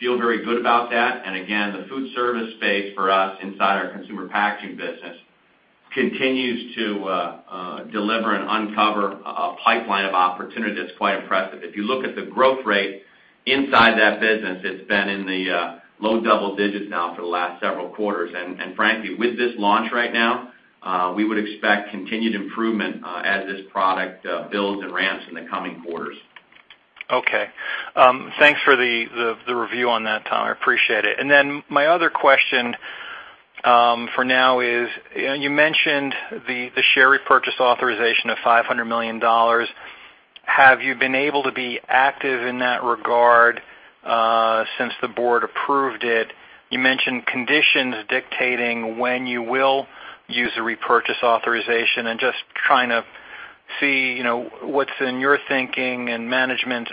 Feel very good about that. Again, the food service space for us inside our Consumer Packaging business continues to deliver and uncover a pipeline of opportunity that's quite impressive. If you look at the growth rate inside that business, it's been in the low double digits now for the last several quarters. Frankly, with this launch right now, we would expect continued improvement as this product builds and ramps in the coming quarters. Okay. Thanks for the review on that, Tom. I appreciate it. Then my other question for now is, you mentioned the share repurchase authorization of $500 million. Have you been able to be active in that regard since the board approved it? You mentioned conditions dictating when you will use the repurchase authorization and just trying to see what's in your thinking and management.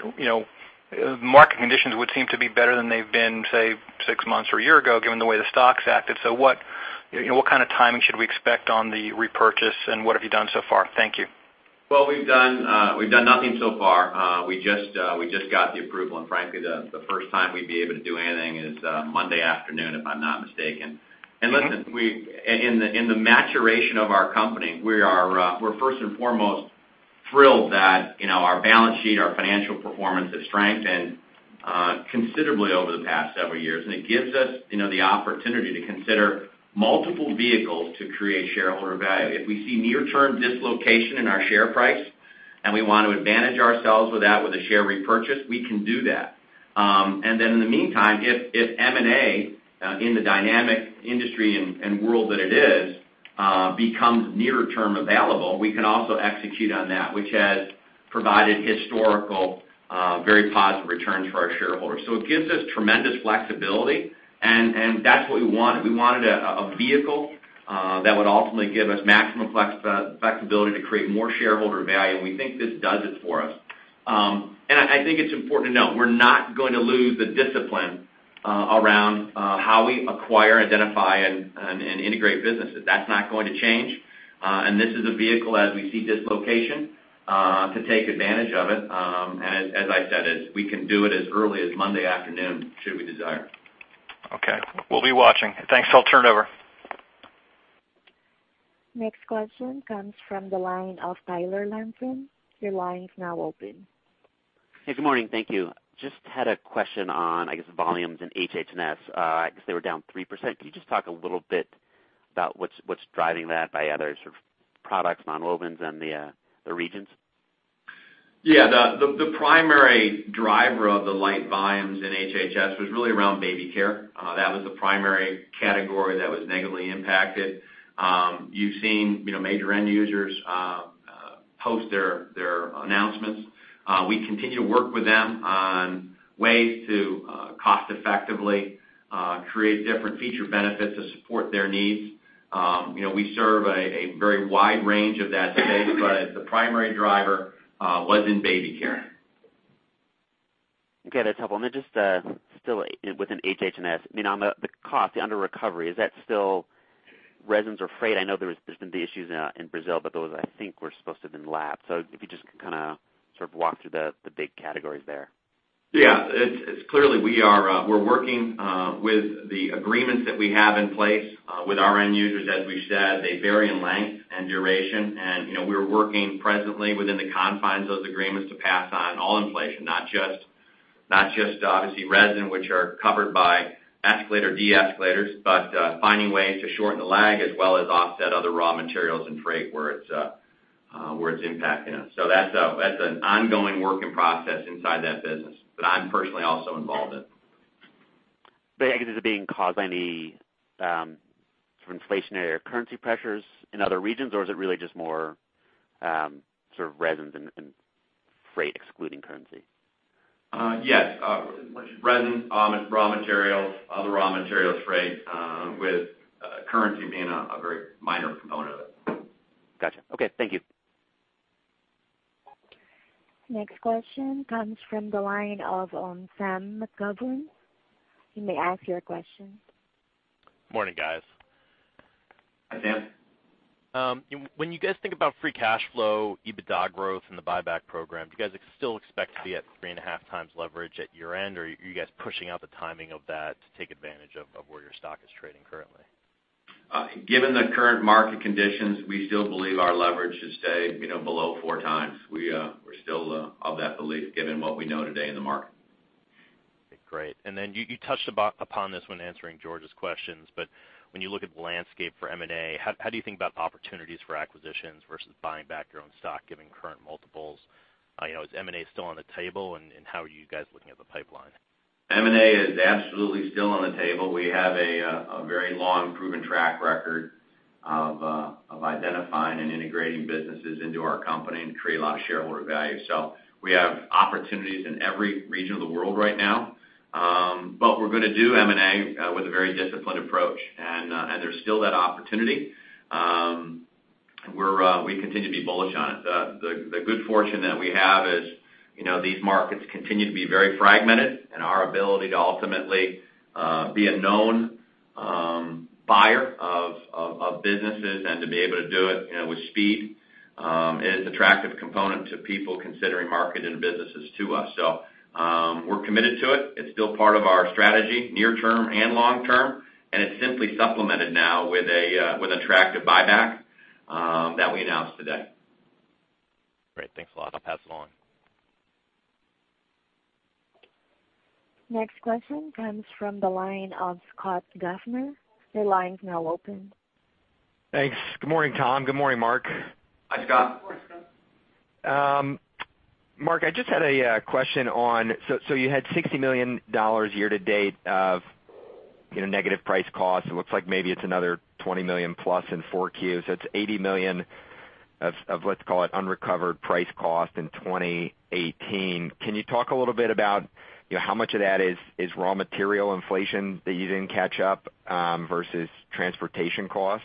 Market conditions would seem to be better than they've been, say, six months or a year ago, given the way the stock's acted. What kind of timing should we expect on the repurchase, and what have you done so far? Thank you. Well, we've done nothing so far. We just got the approval. Frankly, the first time we'd be able to do anything is Monday afternoon, if I'm not mistaken. Listen, in the maturation of our company, we're first and foremost thrilled that our balance sheet, our financial performance has strengthened considerably over the past several years. It gives us the opportunity to consider multiple vehicles to create shareholder value. If we see near term dislocation in our share price and we want to advantage ourselves with that with a share repurchase, we can do that. Then in the meantime, if M&A in the dynamic industry and world that it is, becomes near term available, we can also execute on that, which has provided historical very positive returns for our shareholders. It gives us tremendous flexibility, and that's what we wanted. We wanted a vehicle that would ultimately give us maximum flexibility to create more shareholder value, we think this does it for us. I think it's important to note, we're not going to lose the discipline around how we acquire, identify, and integrate businesses. That's not going to change. This is a vehicle as we see dislocation, to take advantage of it. As I said, we can do it as early as Monday afternoon should we desire. Okay. We'll be watching. Thanks. I'll turn it over. Next question comes from the line of Tyler Langton. Your line is now open. Hey, good morning. Thank you. Just had a question on, I guess, volumes in HH&S. I guess they were down 3%. Can you just talk a little bit about what's driving that by other sort of products, nonwovens and the regions? Yeah. The primary driver of the light volumes in HHS was really around baby care. That was the primary category that was negatively impacted. You've seen major end users post their announcements. We continue to work with them on ways to cost effectively create different feature benefits to support their needs. We serve a very wide range of that today, but the primary driver was in baby care. Okay, that's helpful. Just still within HH&S, on the cost, the under recovery, is that still resins or freight? I know there's been the issues in Brazil, but those, I think, were supposed to have been lapped. If you just could kind of sort of walk through the big categories there. Yeah. Clearly, we're working with the agreements that we have in place with our end users. As we've said, they vary in length and duration, we're working presently within the confines of those agreements to pass on all inflation, not just obviously resin, which are covered by escalator, de-escalators, but finding ways to shorten the lag as well as offset other raw materials and freight where it's impacting us. That's an ongoing work in process inside that business that I'm personally also involved in. I guess, is it being caused by any sort of inflationary or currency pressures in other regions, or is it really just more sort of resins and freight excluding currency? Yes. Resins, raw materials, other raw materials, freight, with currency being a very minor component of it. Gotcha. Okay. Thank you. Next question comes from the line of Sam McGovern. You may ask your question. Morning, guys. Hi, Sam. When you guys think about free cash flow, EBITDA growth and the buyback program, do you guys still expect to be at three and a half times leverage at year-end, or are you guys pushing out the timing of that to take advantage of where your stock is trading currently? Given the current market conditions, we still believe our leverage should stay below four times. We're still of that belief given what we know today in the market. Great. You touched upon this when answering George's questions, when you look at the landscape for M&A, how do you think about the opportunities for acquisitions versus buying back your own stock, given current multiples? Is M&A still on the table, how are you guys looking at the pipeline? M&A is absolutely still on the table. We have a very long proven track record of identifying and integrating businesses into our company and create a lot of shareholder value. We have opportunities in every region of the world right now. We're going to do M&A with a very disciplined approach, and there's still that opportunity. We continue to be bullish on it. The good fortune that we have is these markets continue to be very fragmented, and our ability to ultimately be a known buyer of businesses and to be able to do it with speed is attractive component to people considering marketing businesses to us. We're committed to it. It's still part of our strategy near term and long term, and it's simply supplemented now with attractive buyback that we announced today. Great. Thanks a lot. I'll pass it along. Next question comes from the line of Scott Gaffner. Your line's now open. Thanks. Good morning, Tom. Good morning, Mark. Hi, Scott. Good morning, Scott. Mark, I just had a question on, you had $60 million year-to-date of negative price cost. It looks like maybe it's another $20 million plus in 4Q, so it's $80 million of let's call it unrecovered price cost in 2018. Can you talk a little bit about how much of that is raw material inflation that you didn't catch up versus transportation cost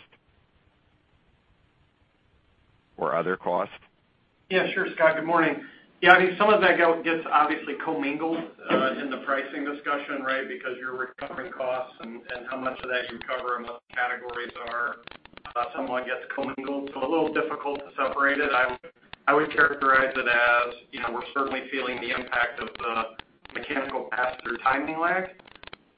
or other costs? Sure, Scott. Good morning. I mean, some of that gets obviously commingled in the pricing discussion, right? Because you're recovering costs and how much of that you recover and what the categories are somewhat gets commingled, so a little difficult to separate it. I would characterize it as we're certainly feeling the impact of the mechanical pass-through timing lag.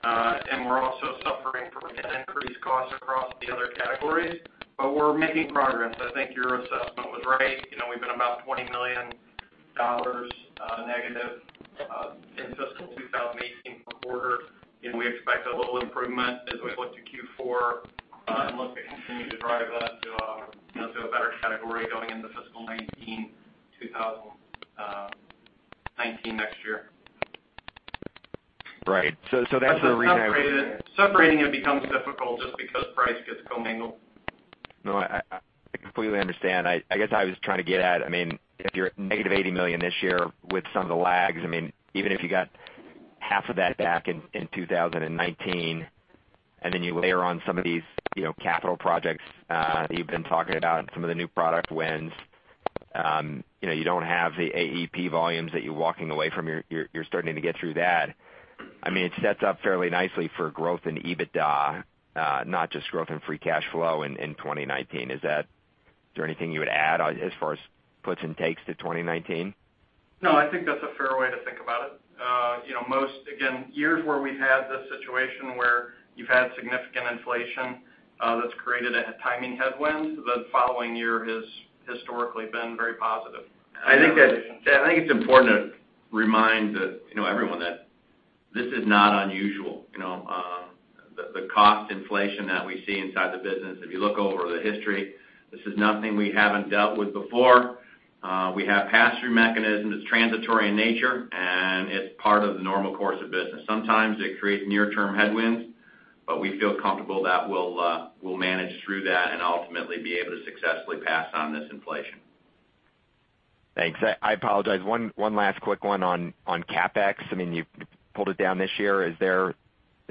We're also suffering from increased costs across the other categories, but we're making progress. I think your assessment was right. We've been about $20 million negative in fiscal 2018 per quarter, and we expect a little improvement as we look to Q4 and look to continue to drive that to a better category going into fiscal 2019 next year. Right. That's the reason. Separating it becomes difficult just because price gets commingled. I completely understand. I guess I was trying to get at, if you're at negative $80 million this year with some of the lags, even if you got half of that back in 2019, and then you layer on some of these capital projects that you've been talking about and some of the new product wins. You don't have the AEP volumes that you're walking away from. You're starting to get through that. It sets up fairly nicely for growth in EBITDA, not just growth in free cash flow in 2019. Is there anything you would add as far as puts and takes to 2019? I think that's a fair way to think about it. Most, again, years where we've had this situation where you've had significant inflation that's created a timing headwind, the following year has historically been very positive. I think it's important to remind everyone that this is not unusual. The cost inflation that we see inside the business, if you look over the history, this is nothing we haven't dealt with before. We have pass-through mechanism that's transitory in nature. It's part of the normal course of business. Sometimes it creates near term headwinds. We feel comfortable that we'll manage through that and ultimately be able to successfully pass on this inflation. Thanks. I apologize. One last quick one on CapEx. You pulled it down this year. Does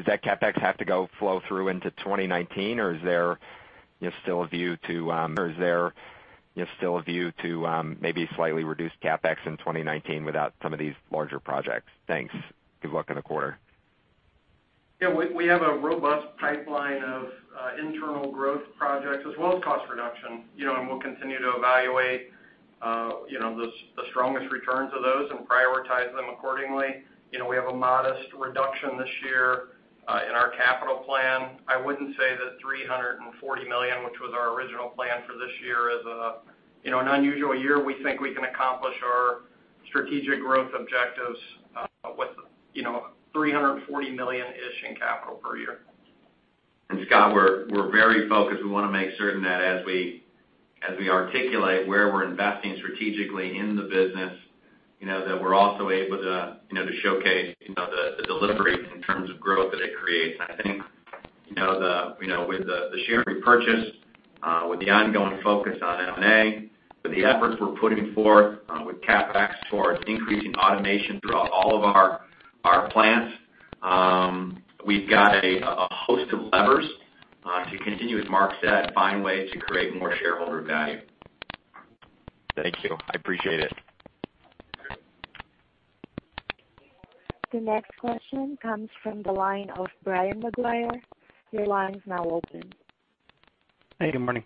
that CapEx have to go flow through into 2019, or is there still a view to maybe slightly reduce CapEx in 2019 without some of these larger projects? Thanks. Good luck on the quarter. Yeah. We have a robust pipeline of internal growth projects as well as cost reduction. We'll continue to evaluate the strongest returns of those and prioritize them accordingly. We have a modest reduction this year in our capital plan. I wouldn't say that $340 million, which was our original plan for this year, is an unusual year. We think we can accomplish our strategic growth objectives with $340 million-ish in capital per year. Scott, we're very focused. We want to make certain that as we articulate where we're investing strategically in the business, that we're also able to showcase the delivery in terms of growth that it creates. I think with the share repurchase, with the ongoing focus on M&A, with the efforts we're putting forth with CapEx towards increasing automation throughout all of our plants, we've got a host of levers to continue, as Mark said, find ways to create more shareholder value. Thank you. I appreciate it. The next question comes from the line of Brian Maguire. Your line's now open. Hey, good morning.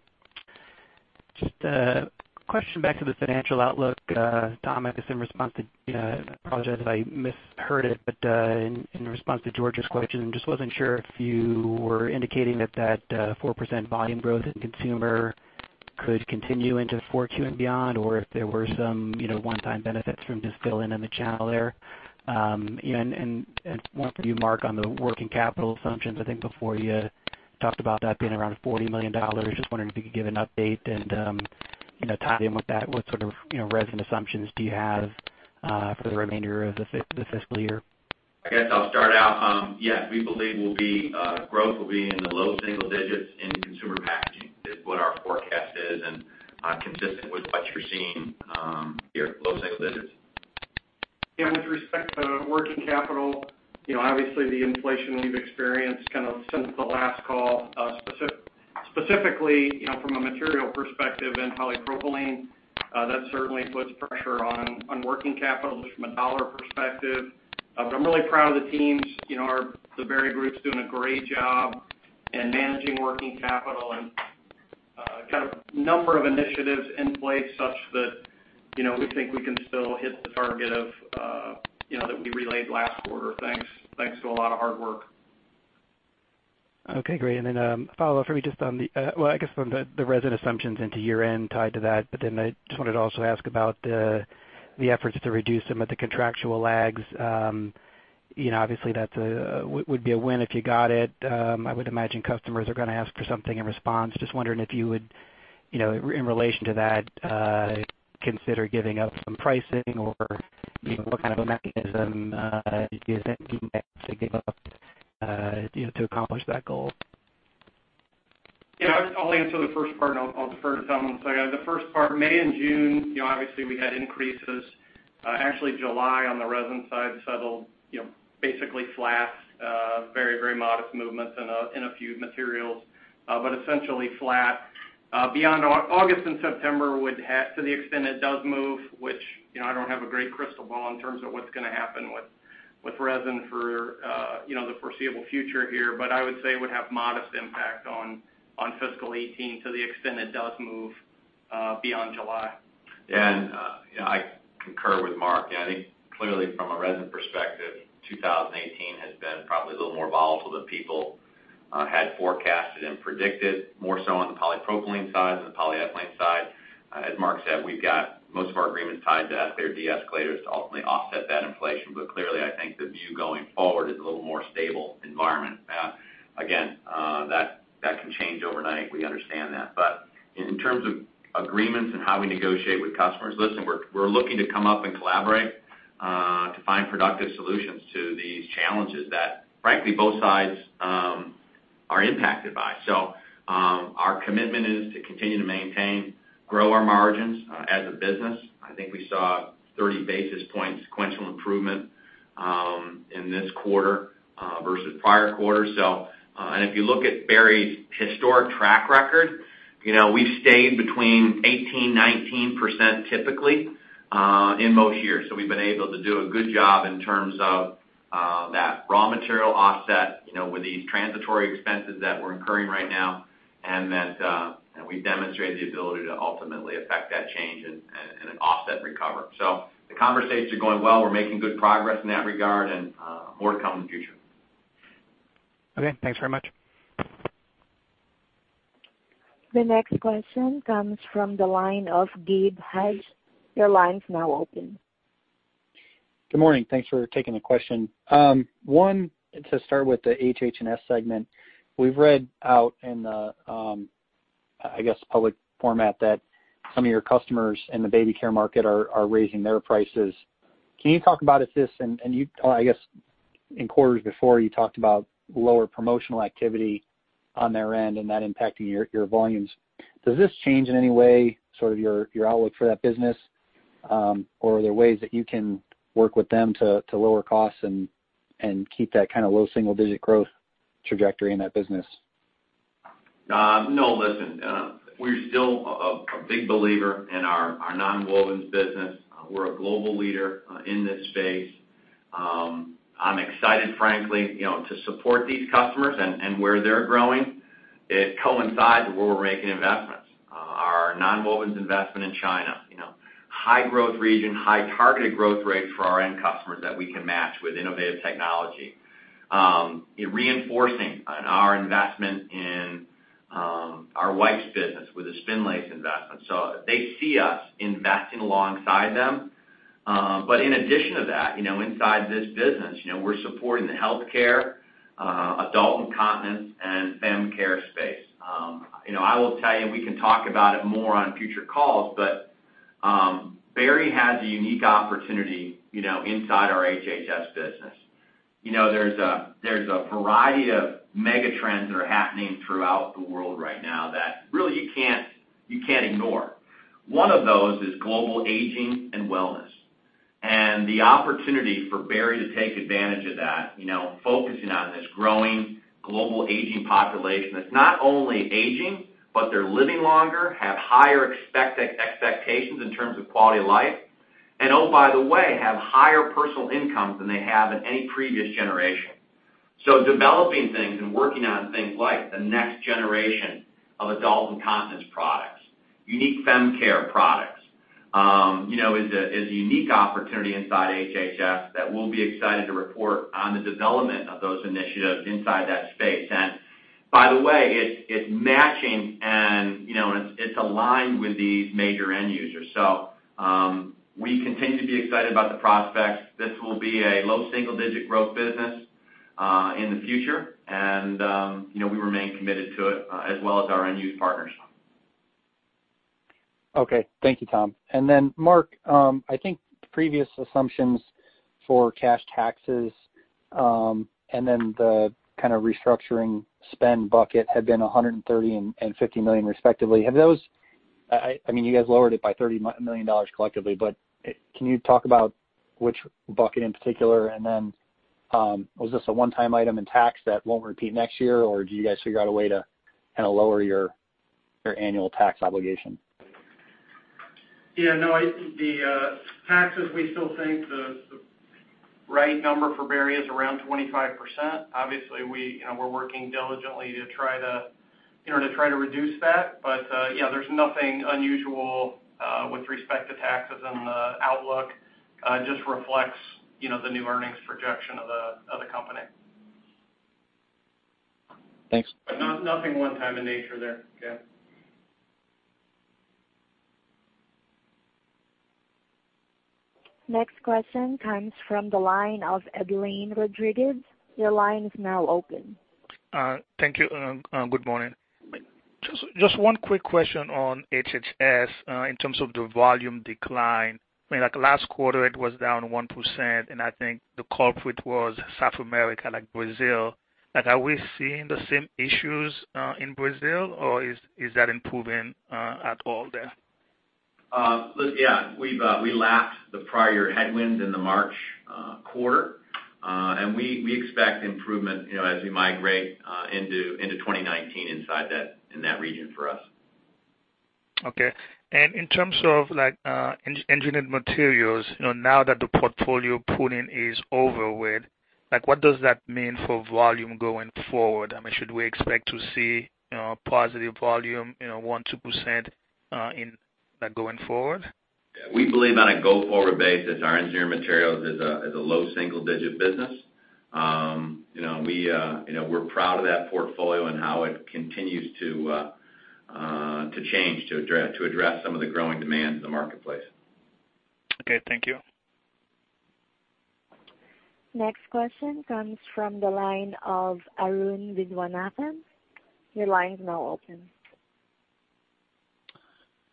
Just a question back to the financial outlook, Tom, I guess, in response to, I apologize if I misheard it, but in response to George's question, just wasn't sure if you were indicating that that 4% volume growth in Consumer could continue into 4Q and beyond, or if there were some one-time benefits from just filling in the channel there. One for you, Mark, on the working capital assumptions. I think before you talked about that being around $40 million. Just wondering if you could give an update and tie in with that what sort of resin assumptions do you have for the remainder of the fiscal year? I guess I'll start out. Yes, we believe growth will be in the low single digits in Consumer Packaging, is what our forecast is, and consistent with what you're seeing here, low single digits. Yeah, with respect to working capital, obviously the inflation we've experienced kind of since the last call, specifically from a material perspective in polypropylene, that certainly puts pressure on working capital just from a dollar perspective. I'm really proud of the teams. The Berry group's doing a great job in managing working capital and got a number of initiatives in place such that we think we can still hit the target that we relayed last quarter. Thanks to a lot of hard work. Okay, great. A follow-up for me just on the, well, I guess from the resin assumptions into year-end tied to that, I just wanted to also ask about the efforts to reduce some of the contractual lags. Obviously that would be a win if you got it. I would imagine customers are going to ask for something in response. Just wondering if you would, in relation to that, consider giving up some pricing or what kind of a mechanism you guys actually give up to accomplish that goal? Yeah, I'll answer the first part, I'll defer to Tom. Yeah, the first part, May and June, obviously we had increases. Actually July on the resin side settled basically flat, very modest movements in a few materials. Essentially flat. Beyond August and September would have, to the extent it does move, which I don't have a great crystal ball in terms of what's going to happen with resin for the foreseeable future here, but I would say would have modest impact on fiscal 2018 to the extent it does move beyond July. I concur with Mark. I think clearly from a resin perspective, 2018 has been probably a little more volatile than people had forecasted and predicted, more so on the polypropylene side than the polyethylene side. As Mark said, we've got most of our agreements tied to escalators or deescalators to ultimately offset that inflation. Clearly, I think the view going forward is a little more stable environment. Again, that can change overnight. We understand that. In terms of agreements and how we negotiate with customers, listen, we're looking to come up and collaborate to find productive solutions to these challenges that frankly both sides are impacted by. Our commitment is to continue to maintain, grow our margins as a business. I think we saw 30 basis points sequential improvement in this quarter versus prior quarter. If you look at Berry's historic track record, we've stayed between 18%-19% typically in most years. We've been able to do a good job in terms of that raw material offset with these transitory expenses that we're incurring right now. We've demonstrated the ability to ultimately affect that change and an offset recover. The conversations are going well. We're making good progress in that regard and more to come in the future. Okay. Thanks very much. The next question comes from the line of Gabe Hajde. Your line's now open. Good morning. Thanks for taking the question. One, to start with the HH&S segment. We've read out in the, I guess, public format that some of your customers in the baby care market are raising their prices. Can you talk about if this, and I guess in quarters before you talked about lower promotional activity on their end and that impacting your volumes. Does this change in any way sort of your outlook for that business? Or are there ways that you can work with them to lower costs and keep that kind of low single-digit growth trajectory in that business? No, listen. We're still a big believer in our nonwovens business. We're a global leader in this space. I'm excited, frankly, to support these customers and where they're growing. It coincides where we're making investments. Our nonwovens investment in China. High growth region, high targeted growth rates for our end customers that we can match with innovative technology. Reinforcing our investment in our wipes business with a Spinlace investment. They see us investing alongside them. In addition to that, inside this business, we're supporting the healthcare, adult incontinence, and fem care space. I will tell you, we can talk about it more on future calls, but Berry has a unique opportunity inside our HHS business. There's a variety of mega trends that are happening throughout the world right now that really you can't ignore. One of those is global aging and wellness. The opportunity for Berry to take advantage of that, focusing on this growing global aging population that's not only aging, but they're living longer, have higher expectations in terms of quality of life, and oh, by the way, have higher personal income than they have in any previous generation. Developing things and working on things like the next generation of adult incontinence products, unique fem care products is a unique opportunity inside HHS that we'll be excited to report on the development of those initiatives inside that space. By the way, it's matching and it's aligned with these major end users. We continue to be excited about the prospects. This will be a low single-digit growth business, in the future, and we remain committed to it, as well as our end-use partners. Okay. Thank you, Tom. Mark, I think previous assumptions for cash taxes, and then the kind of restructuring spend bucket had been $130 million and $50 million respectively. I mean, you guys lowered it by $30 million collectively, but can you talk about which bucket in particular? Was this a one-time item in tax that won't repeat next year, or did you guys figure out a way to lower your annual tax obligation? Yeah, no, the taxes, we still think the right number for Berry is around 25%. Obviously, we're working diligently to try to reduce that. Yeah, there's nothing unusual, with respect to taxes and the outlook. It just reflects the new earnings projection of the company. Thanks. Nothing one time in nature there. Yeah. Next question comes from the line of Edlain Rodriguez. Your line is now open. Thank you, and good morning. Just one quick question on HHS, in terms of the volume decline. Like last quarter it was down 1%, and I think the culprit was South America, like Brazil. Are we seeing the same issues in Brazil, or is that improving at all there? Yeah. We lapped the prior headwinds in the March quarter. We expect improvement as we migrate into 2019 in that region for us. Okay. In terms of Engineered Materials, now that the portfolio pruning is over with, what does that mean for volume going forward? I mean, should we expect to see positive volume, one or 2% going forward? We believe on a go-forward basis, our Engineered Materials is a low single digit business. We're proud of that portfolio and how it continues to change to address some of the growing demands in the marketplace. Okay, thank you. Next question comes from the line of Arun Viswanathan. Your line is now open.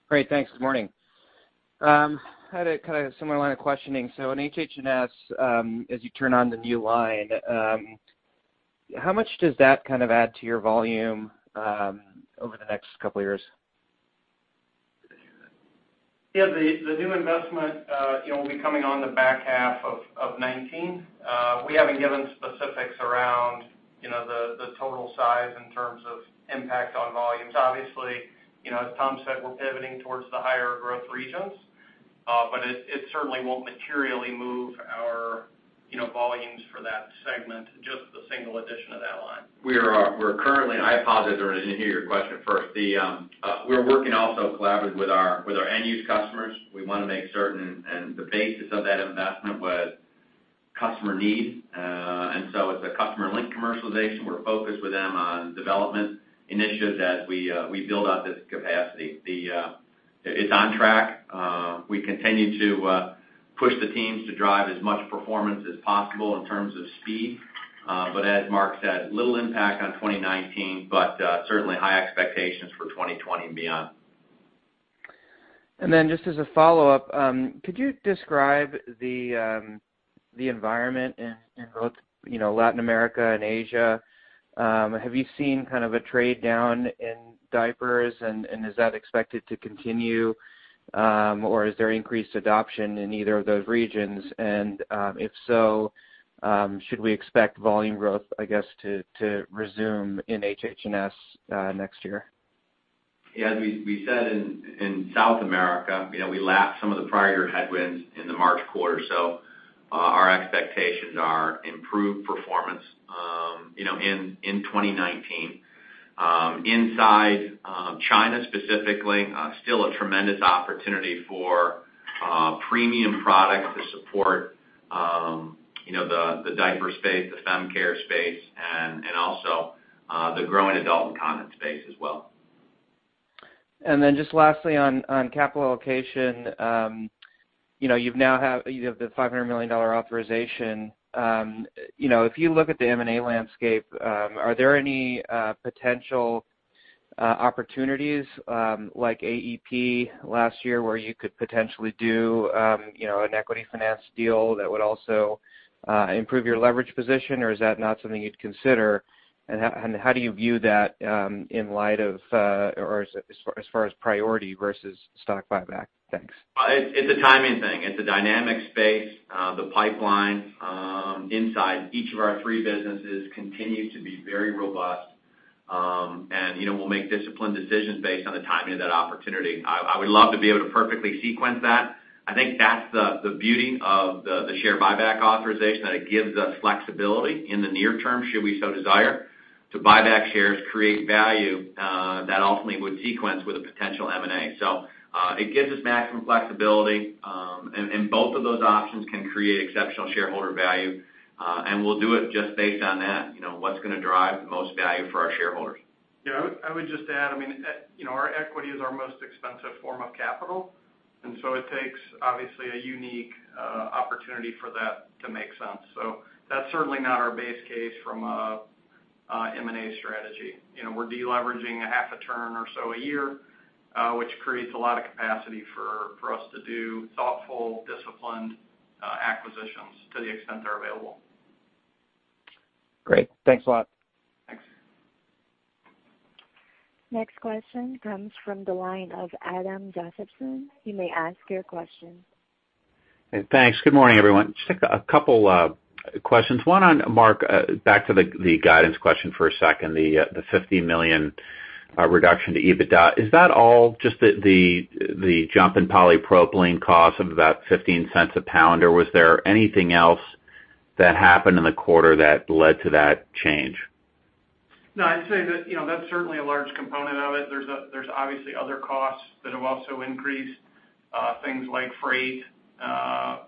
Great. Thanks. Good morning. I had a kind of similar line of questioning. In HH&S, as you turn on the new line, how much does that kind of add to your volume over the next couple of years? The new investment will be coming on the back half of 2019. We haven't given specifics around the total size in terms of impact on volumes. Obviously, as Tom said, we're pivoting towards the higher growth regions. It certainly won't materially move our volumes for that segment, just the single addition of that line. We're currently, and I apologize, Arun, I didn't hear your question first. We're working also collaboratively with our end-use customers. We want to make certain, and the basis of that investment was customer need. It's a customer link commercialization. We're focused with them on development initiatives as we build out this capacity. It's on track. We continue to push the teams to drive as much performance as possible in terms of speed. As Mark said, little impact on 2019, but certainly high expectations for 2020 and beyond. Just as a follow-up, could you describe the environment in both Latin America and Asia? Have you seen kind of a trade down in diapers, and is that expected to continue? Is there increased adoption in either of those regions? If so, should we expect volume growth, I guess, to resume in HH&S next year? As we said in South America, we lapped some of the prior year headwinds in the March quarter. Our expectations are improved performance in 2019. Inside China specifically, still a tremendous opportunity for premium products to support the diaper space, the fem care space, and also the growing adult incontinence space as well. Just lastly on capital allocation, you now have the $500 million authorization. If you look at the M&A landscape, are there any potential opportunities, like AEP last year, where you could potentially do an equity finance deal that would also improve your leverage position? Is that not something you'd consider? How do you view that as far as priority versus stock buyback? Thanks. It's a timing thing. It's a dynamic space. The pipeline inside each of our three businesses continues to be very robust. We'll make disciplined decisions based on the timing of that opportunity. I would love to be able to perfectly sequence that. I think that's the beauty of the share buyback authorization, that it gives us flexibility in the near term, should we so desire, to buy back shares, create value that ultimately would sequence with a potential M&A. It gives us maximum flexibility, both of those options can create exceptional shareholder value. We'll do it just based on that. What's going to drive the most value for our shareholders. I would just add, our equity is our most expensive form of capital, it takes obviously a unique opportunity for that to make sense. That's certainly not our base case from a M&A strategy. We're de-leveraging a half a turn or so a year, which creates a lot of capacity for us to do thoughtful, disciplined acquisitions to the extent they're available. Great. Thanks a lot. Thanks. Next question comes from the line of Adam Josephson. You may ask your question. Thanks. Good morning, everyone. Just a couple questions. One on, Mark, back to the guidance question for a second, the $50 million reduction to EBITDA. Is that all just the jump in polypropylene cost of about $0.15 a pound, or was there anything else that happened in the quarter that led to that change? No, I'd say that's certainly a large component of it. There's obviously other costs that have also increased, things like freight, and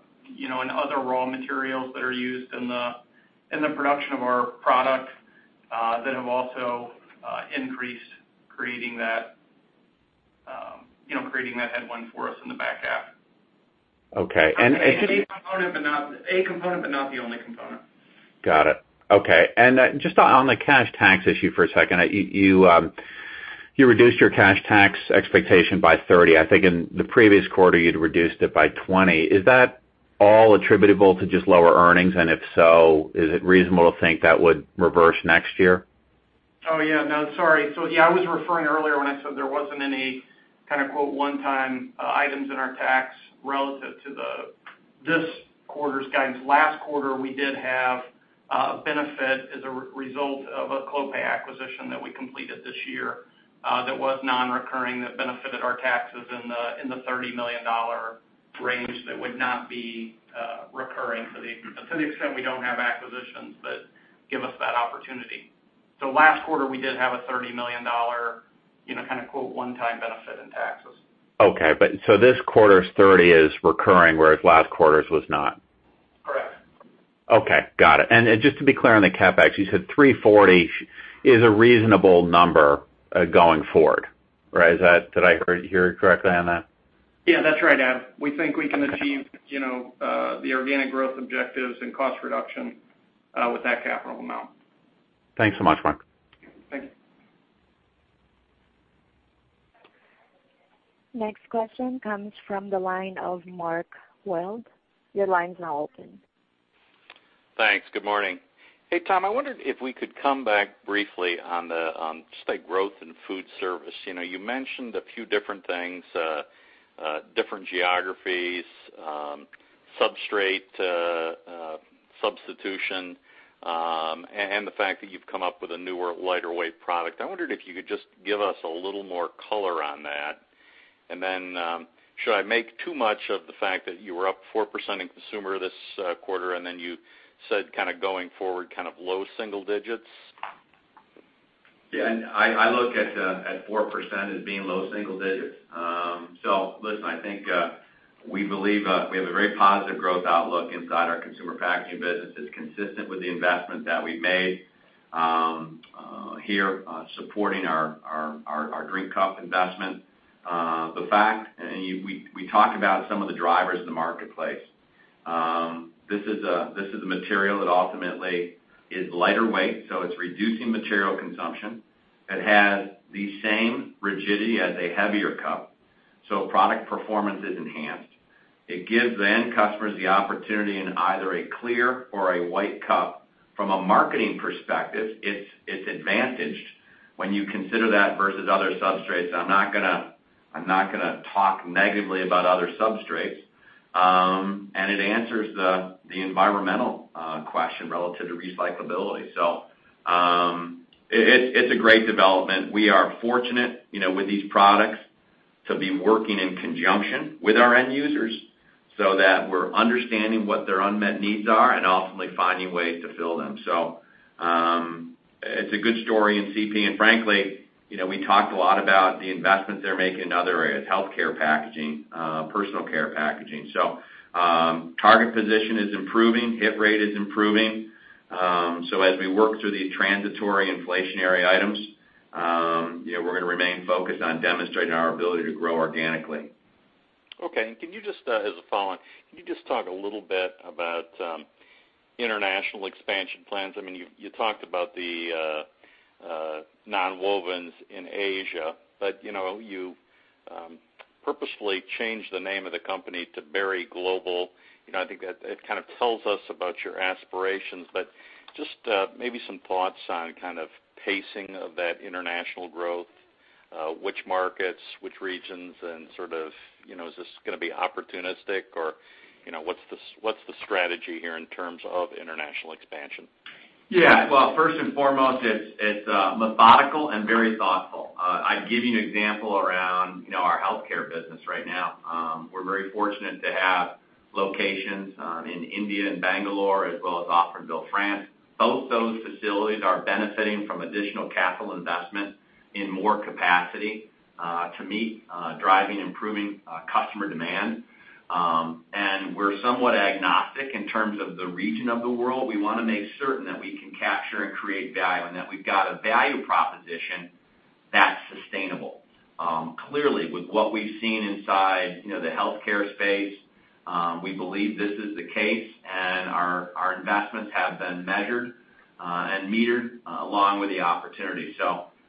other raw materials that are used in the production of our product that have also increased, creating that headwind for us in the back half. Okay. A component, but not the only component. Got it. Okay. Just on the cash tax issue for a second. You reduced your cash tax expectation by $30. I think in the previous quarter, you'd reduced it by $20. Is that all attributable to just lower earnings? If so, is it reasonable to think that would reverse next year? Oh, yeah. No, sorry. Yeah, I was referring earlier when I said there wasn't any kind of quote one-time items in our tax relative to this quarter's guidance. Last quarter, we did have a benefit as a result of a Clopay acquisition that we completed this year that was non-recurring, that benefited our taxes in the $30 million range that would not be recurring to the extent we don't have acquisitions that give us that opportunity. Last quarter, we did have a $30 million kind of quote one-time benefit in taxes. Okay. This quarter's $30 is recurring, whereas last quarter's was not. Correct. Okay, got it. Just to be clear on the CapEx, you said $340 is a reasonable number going forward. Did I hear correctly on that? Yeah, that's right, Adam. We think we can achieve the organic growth objectives and cost reduction with that capital amount. Thanks so much, Mark. Thank you. Next question comes from the line of Mark Wilde. Your line's now open. Thanks. Good morning. Hey, Tom, I wondered if we could come back briefly on just growth in food service. You mentioned a few different things, different geographies, substrate substitution, and the fact that you've come up with a newer, lighter weight product. I wondered if you could just give us a little more color on that. And then should I make too much of the fact that you were up 4% in Consumer this quarter, and then you said kind of going forward kind of low single digits? Yeah, I look at 4% as being low single digits. Listen, I think we believe we have a very positive growth outlook inside our Consumer Packaging business that's consistent with the investment that we've made here supporting our drink cup investment. We talked about some of the drivers in the marketplace. This is a material that ultimately is lighter weight, so it's reducing material consumption. It has the same rigidity as a heavier cup, so product performance is enhanced. It gives the end customers the opportunity in either a clear or a white cup. From a marketing perspective, it's advantaged when you consider that versus other substrates. I'm not going to talk negatively about other substrates. It answers the environmental question relative to recyclability. It's a great development. We are fortunate with these products to be working in conjunction with our end users so that we're understanding what their unmet needs are and ultimately finding ways to fill them. It's a good story in CP. Frankly, we talked a lot about the investments they're making in other areas, healthcare packaging, personal care packaging. Target position is improving, hit rate is improving. As we work through these transitory inflationary items, we're going to remain focused on demonstrating our ability to grow organically. Okay. As a follow-on, can you just talk a little bit about international expansion plans? You talked about the nonwovens in Asia, but you purposefully changed the name of the company to Berry Global. I think that it kind of tells us about your aspirations, but just maybe some thoughts on kind of pacing of that international growth, which markets, which regions, and sort of, is this going to be opportunistic or what's the strategy here in terms of international expansion? Yeah. Well, first and foremost, it's methodical and very thoughtful. I'd give you an example around our healthcare business right now. We're very fortunate to have locations in India and Bangalore, as well as Offranville, France. Both those facilities are benefiting from additional capital investment in more capacity to meet driving improving customer demand. We're somewhat agnostic in terms of the region of the world. We want to make certain that we can capture and create value, and that we've got a value proposition that's sustainable. Clearly, with what we've seen inside the healthcare space, we believe this is the case, and our investments have been measured and metered along with the opportunity.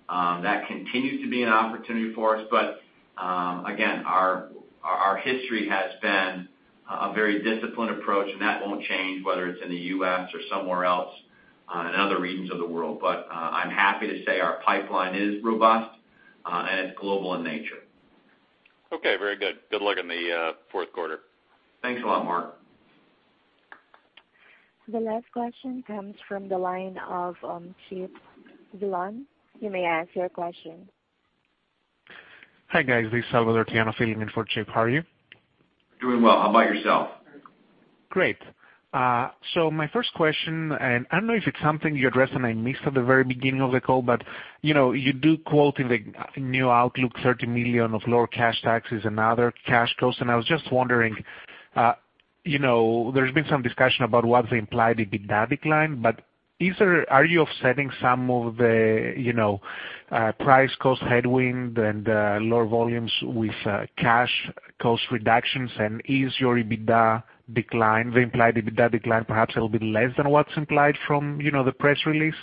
That continues to be an opportunity for us, but again, our history has been a very disciplined approach, and that won't change whether it's in the U.S. or somewhere else in other regions of the world. I'm happy to say our pipeline is robust, and it's global in nature. Okay. Very good. Good luck in the fourth quarter. Thanks a lot, Mark. The last question comes from the line of Chip Dillon. You may ask your question. Hi, guys. This is Salvatore Tiano filling in for Chip. How are you? Doing well. How about yourself? Great. My first question, I don't know if it's something you addressed, and I missed at the very beginning of the call, but you do quote in the new outlook, $30 million of lower cash taxes and other cash costs. I was just wondering, there's been some discussion about what's the implied EBITDA decline. Are you offsetting some of the price cost headwind and lower volumes with cash cost reductions? Is your EBITDA decline, the implied EBITDA decline, perhaps it'll be less than what's implied from the press release?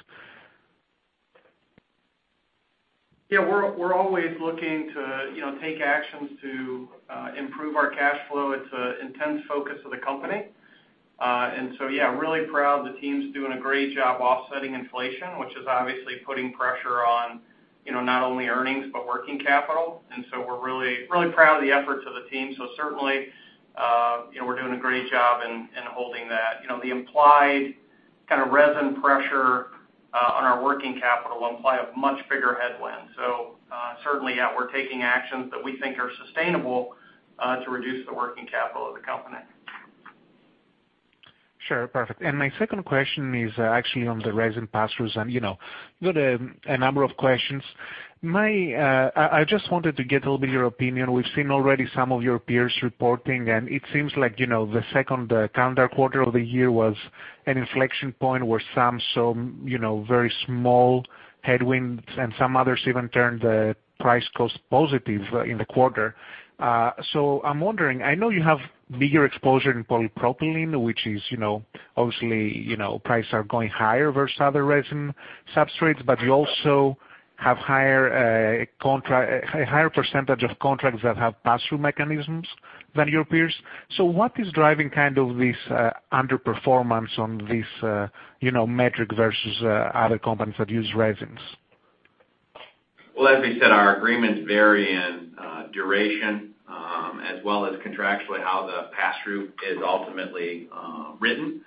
We're always looking to take actions to improve our cash flow. It's an intense focus of the company. Really proud. The team's doing a great job offsetting inflation, which is obviously putting pressure on not only earnings, but working capital. We're really proud of the efforts of the team. Certainly, we're doing a great job in holding that. The implied kind of resin pressure on our working capital imply a much bigger headwind. We're taking actions that we think are sustainable to reduce the working capital of the company. Sure. Perfect. My second question is actually on the resin pass-throughs. There are a number of questions. I just wanted to get a little bit of your opinion. We've seen already some of your peers reporting, and it seems like, the second calendar quarter of the year was an inflection point where some saw very small headwinds, and some others even turned the price cost positive in the quarter. I'm wondering, I know you have bigger exposure in polypropylene, which is obviously, prices are going higher versus other resin substrates, but you also have a higher percentage of contracts that have pass-through mechanisms than your peers. What is driving kind of this underperformance on this metric versus other companies that use resins? Well, as we said, our agreements vary in duration, as well as contractually how the pass-through is ultimately written.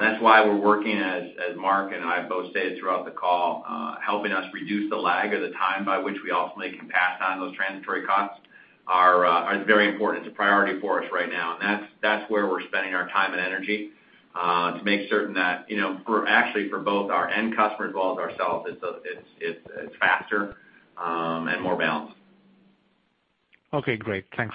That's why we're working, as Mark and I both stated throughout the call, helping us reduce the lag or the time by which we ultimately can pass on those transitory costs is very important. It's a priority for us right now. That's where we're spending our time and energy, to make certain that, actually for both our end customer and ourselves, it's faster and more balanced. Okay, great. Thanks.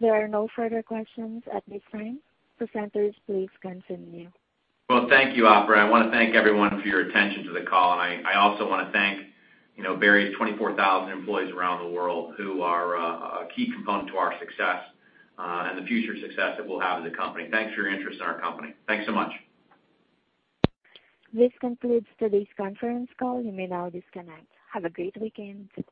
There are no further questions at this time. Presenters, please continue. Well, thank you, Operator. I want to thank everyone for your attention to the call. I also want to thank Berry's 24,000 employees around the world who are a key component to our success, and the future success that we'll have as a company. Thanks for your interest in our company. Thanks so much. This concludes today's conference call. You may now disconnect. Have a great weekend.